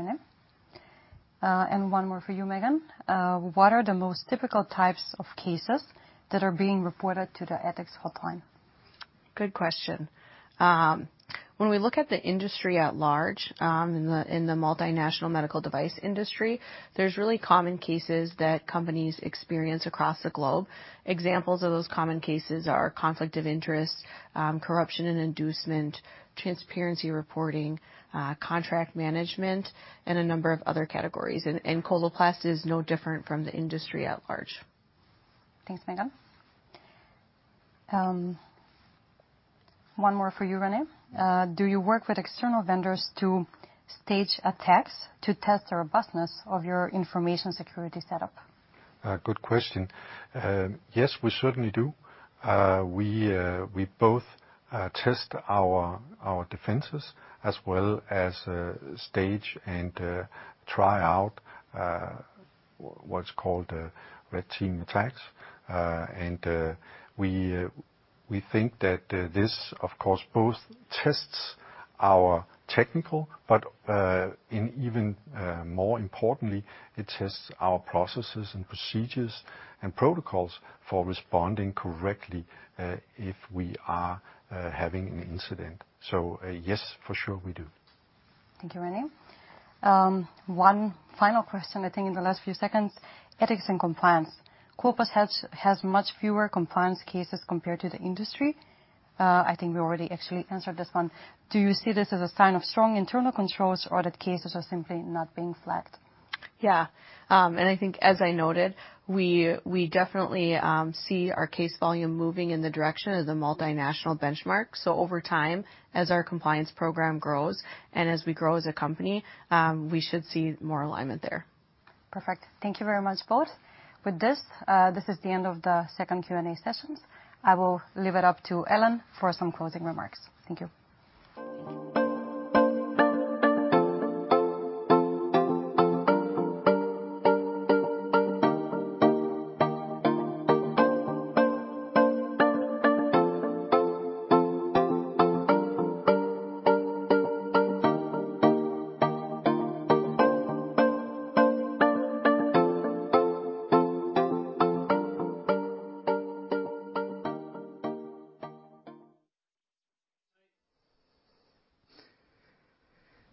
René. One more for you, Megan. What are the most difficult types of cases that are being reported to the Ethics Hotline? Good question. When we look at the industry at large, in the multinational medical device industry, there's really common cases that companies experience across the globe. Examples of those common cases are conflict of interest, corruption and inducement, transparency reporting, contract management, and a number of other categories. Coloplast is no different from the industry at large. Thanks, Megan. One more for you, René. Do you work with external vendors to stage attacks to test the robustness of your information security setup? Good question. Yes, we certainly do. We both test our defenses as well as stage and try out what's called a red team attacks. We think that this, of course, both tests our technical, but even more importantly, it tests our processes and procedures and protocols for responding correctly if we are having an incident. Yes, for sure we do. Thank you, René. One final question I think in the last few seconds. Ethics and Compliance. Coloplast has much fewer compliance cases compared to the industry. I think we already actually answered this one. Do you see this as a sign of strong internal controls or that cases are simply not being flagged? I think as I noted, we definitely see our case volume moving in the direction of the multinational benchmark. Over time, as our Compliance Program grows and as we grow as a company, we should see more alignment there. Perfect. Thank you very much, both. With this is the end of the second Q&A session. I will leave it up to Ellen for some closing remarks. Thank you.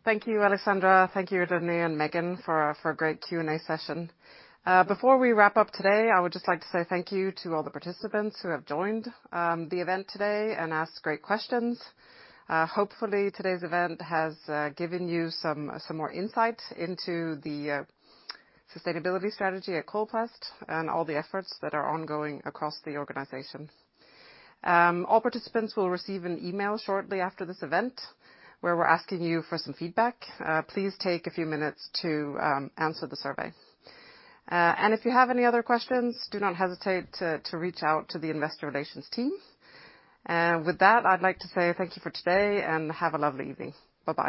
Thank you. Thank you, Aleksandra. Thank you, René and Megan for a great Q&A session. Before we wrap up today, I would just like to say thank you to all the participants who have joined the event today and asked great questions. Hopefully today's event has given you some more insight into the sustainability strategy at Coloplast and all the efforts that are ongoing across the organization. All participants will receive an email shortly after this event, where we're asking you for some feedback. Please take a few minutes to answer the survey. If you have any other questions, do not hesitate to reach out to the Investor Relations team. With that, I'd like to say thank you for today and have a lovely evening. Bye-bye.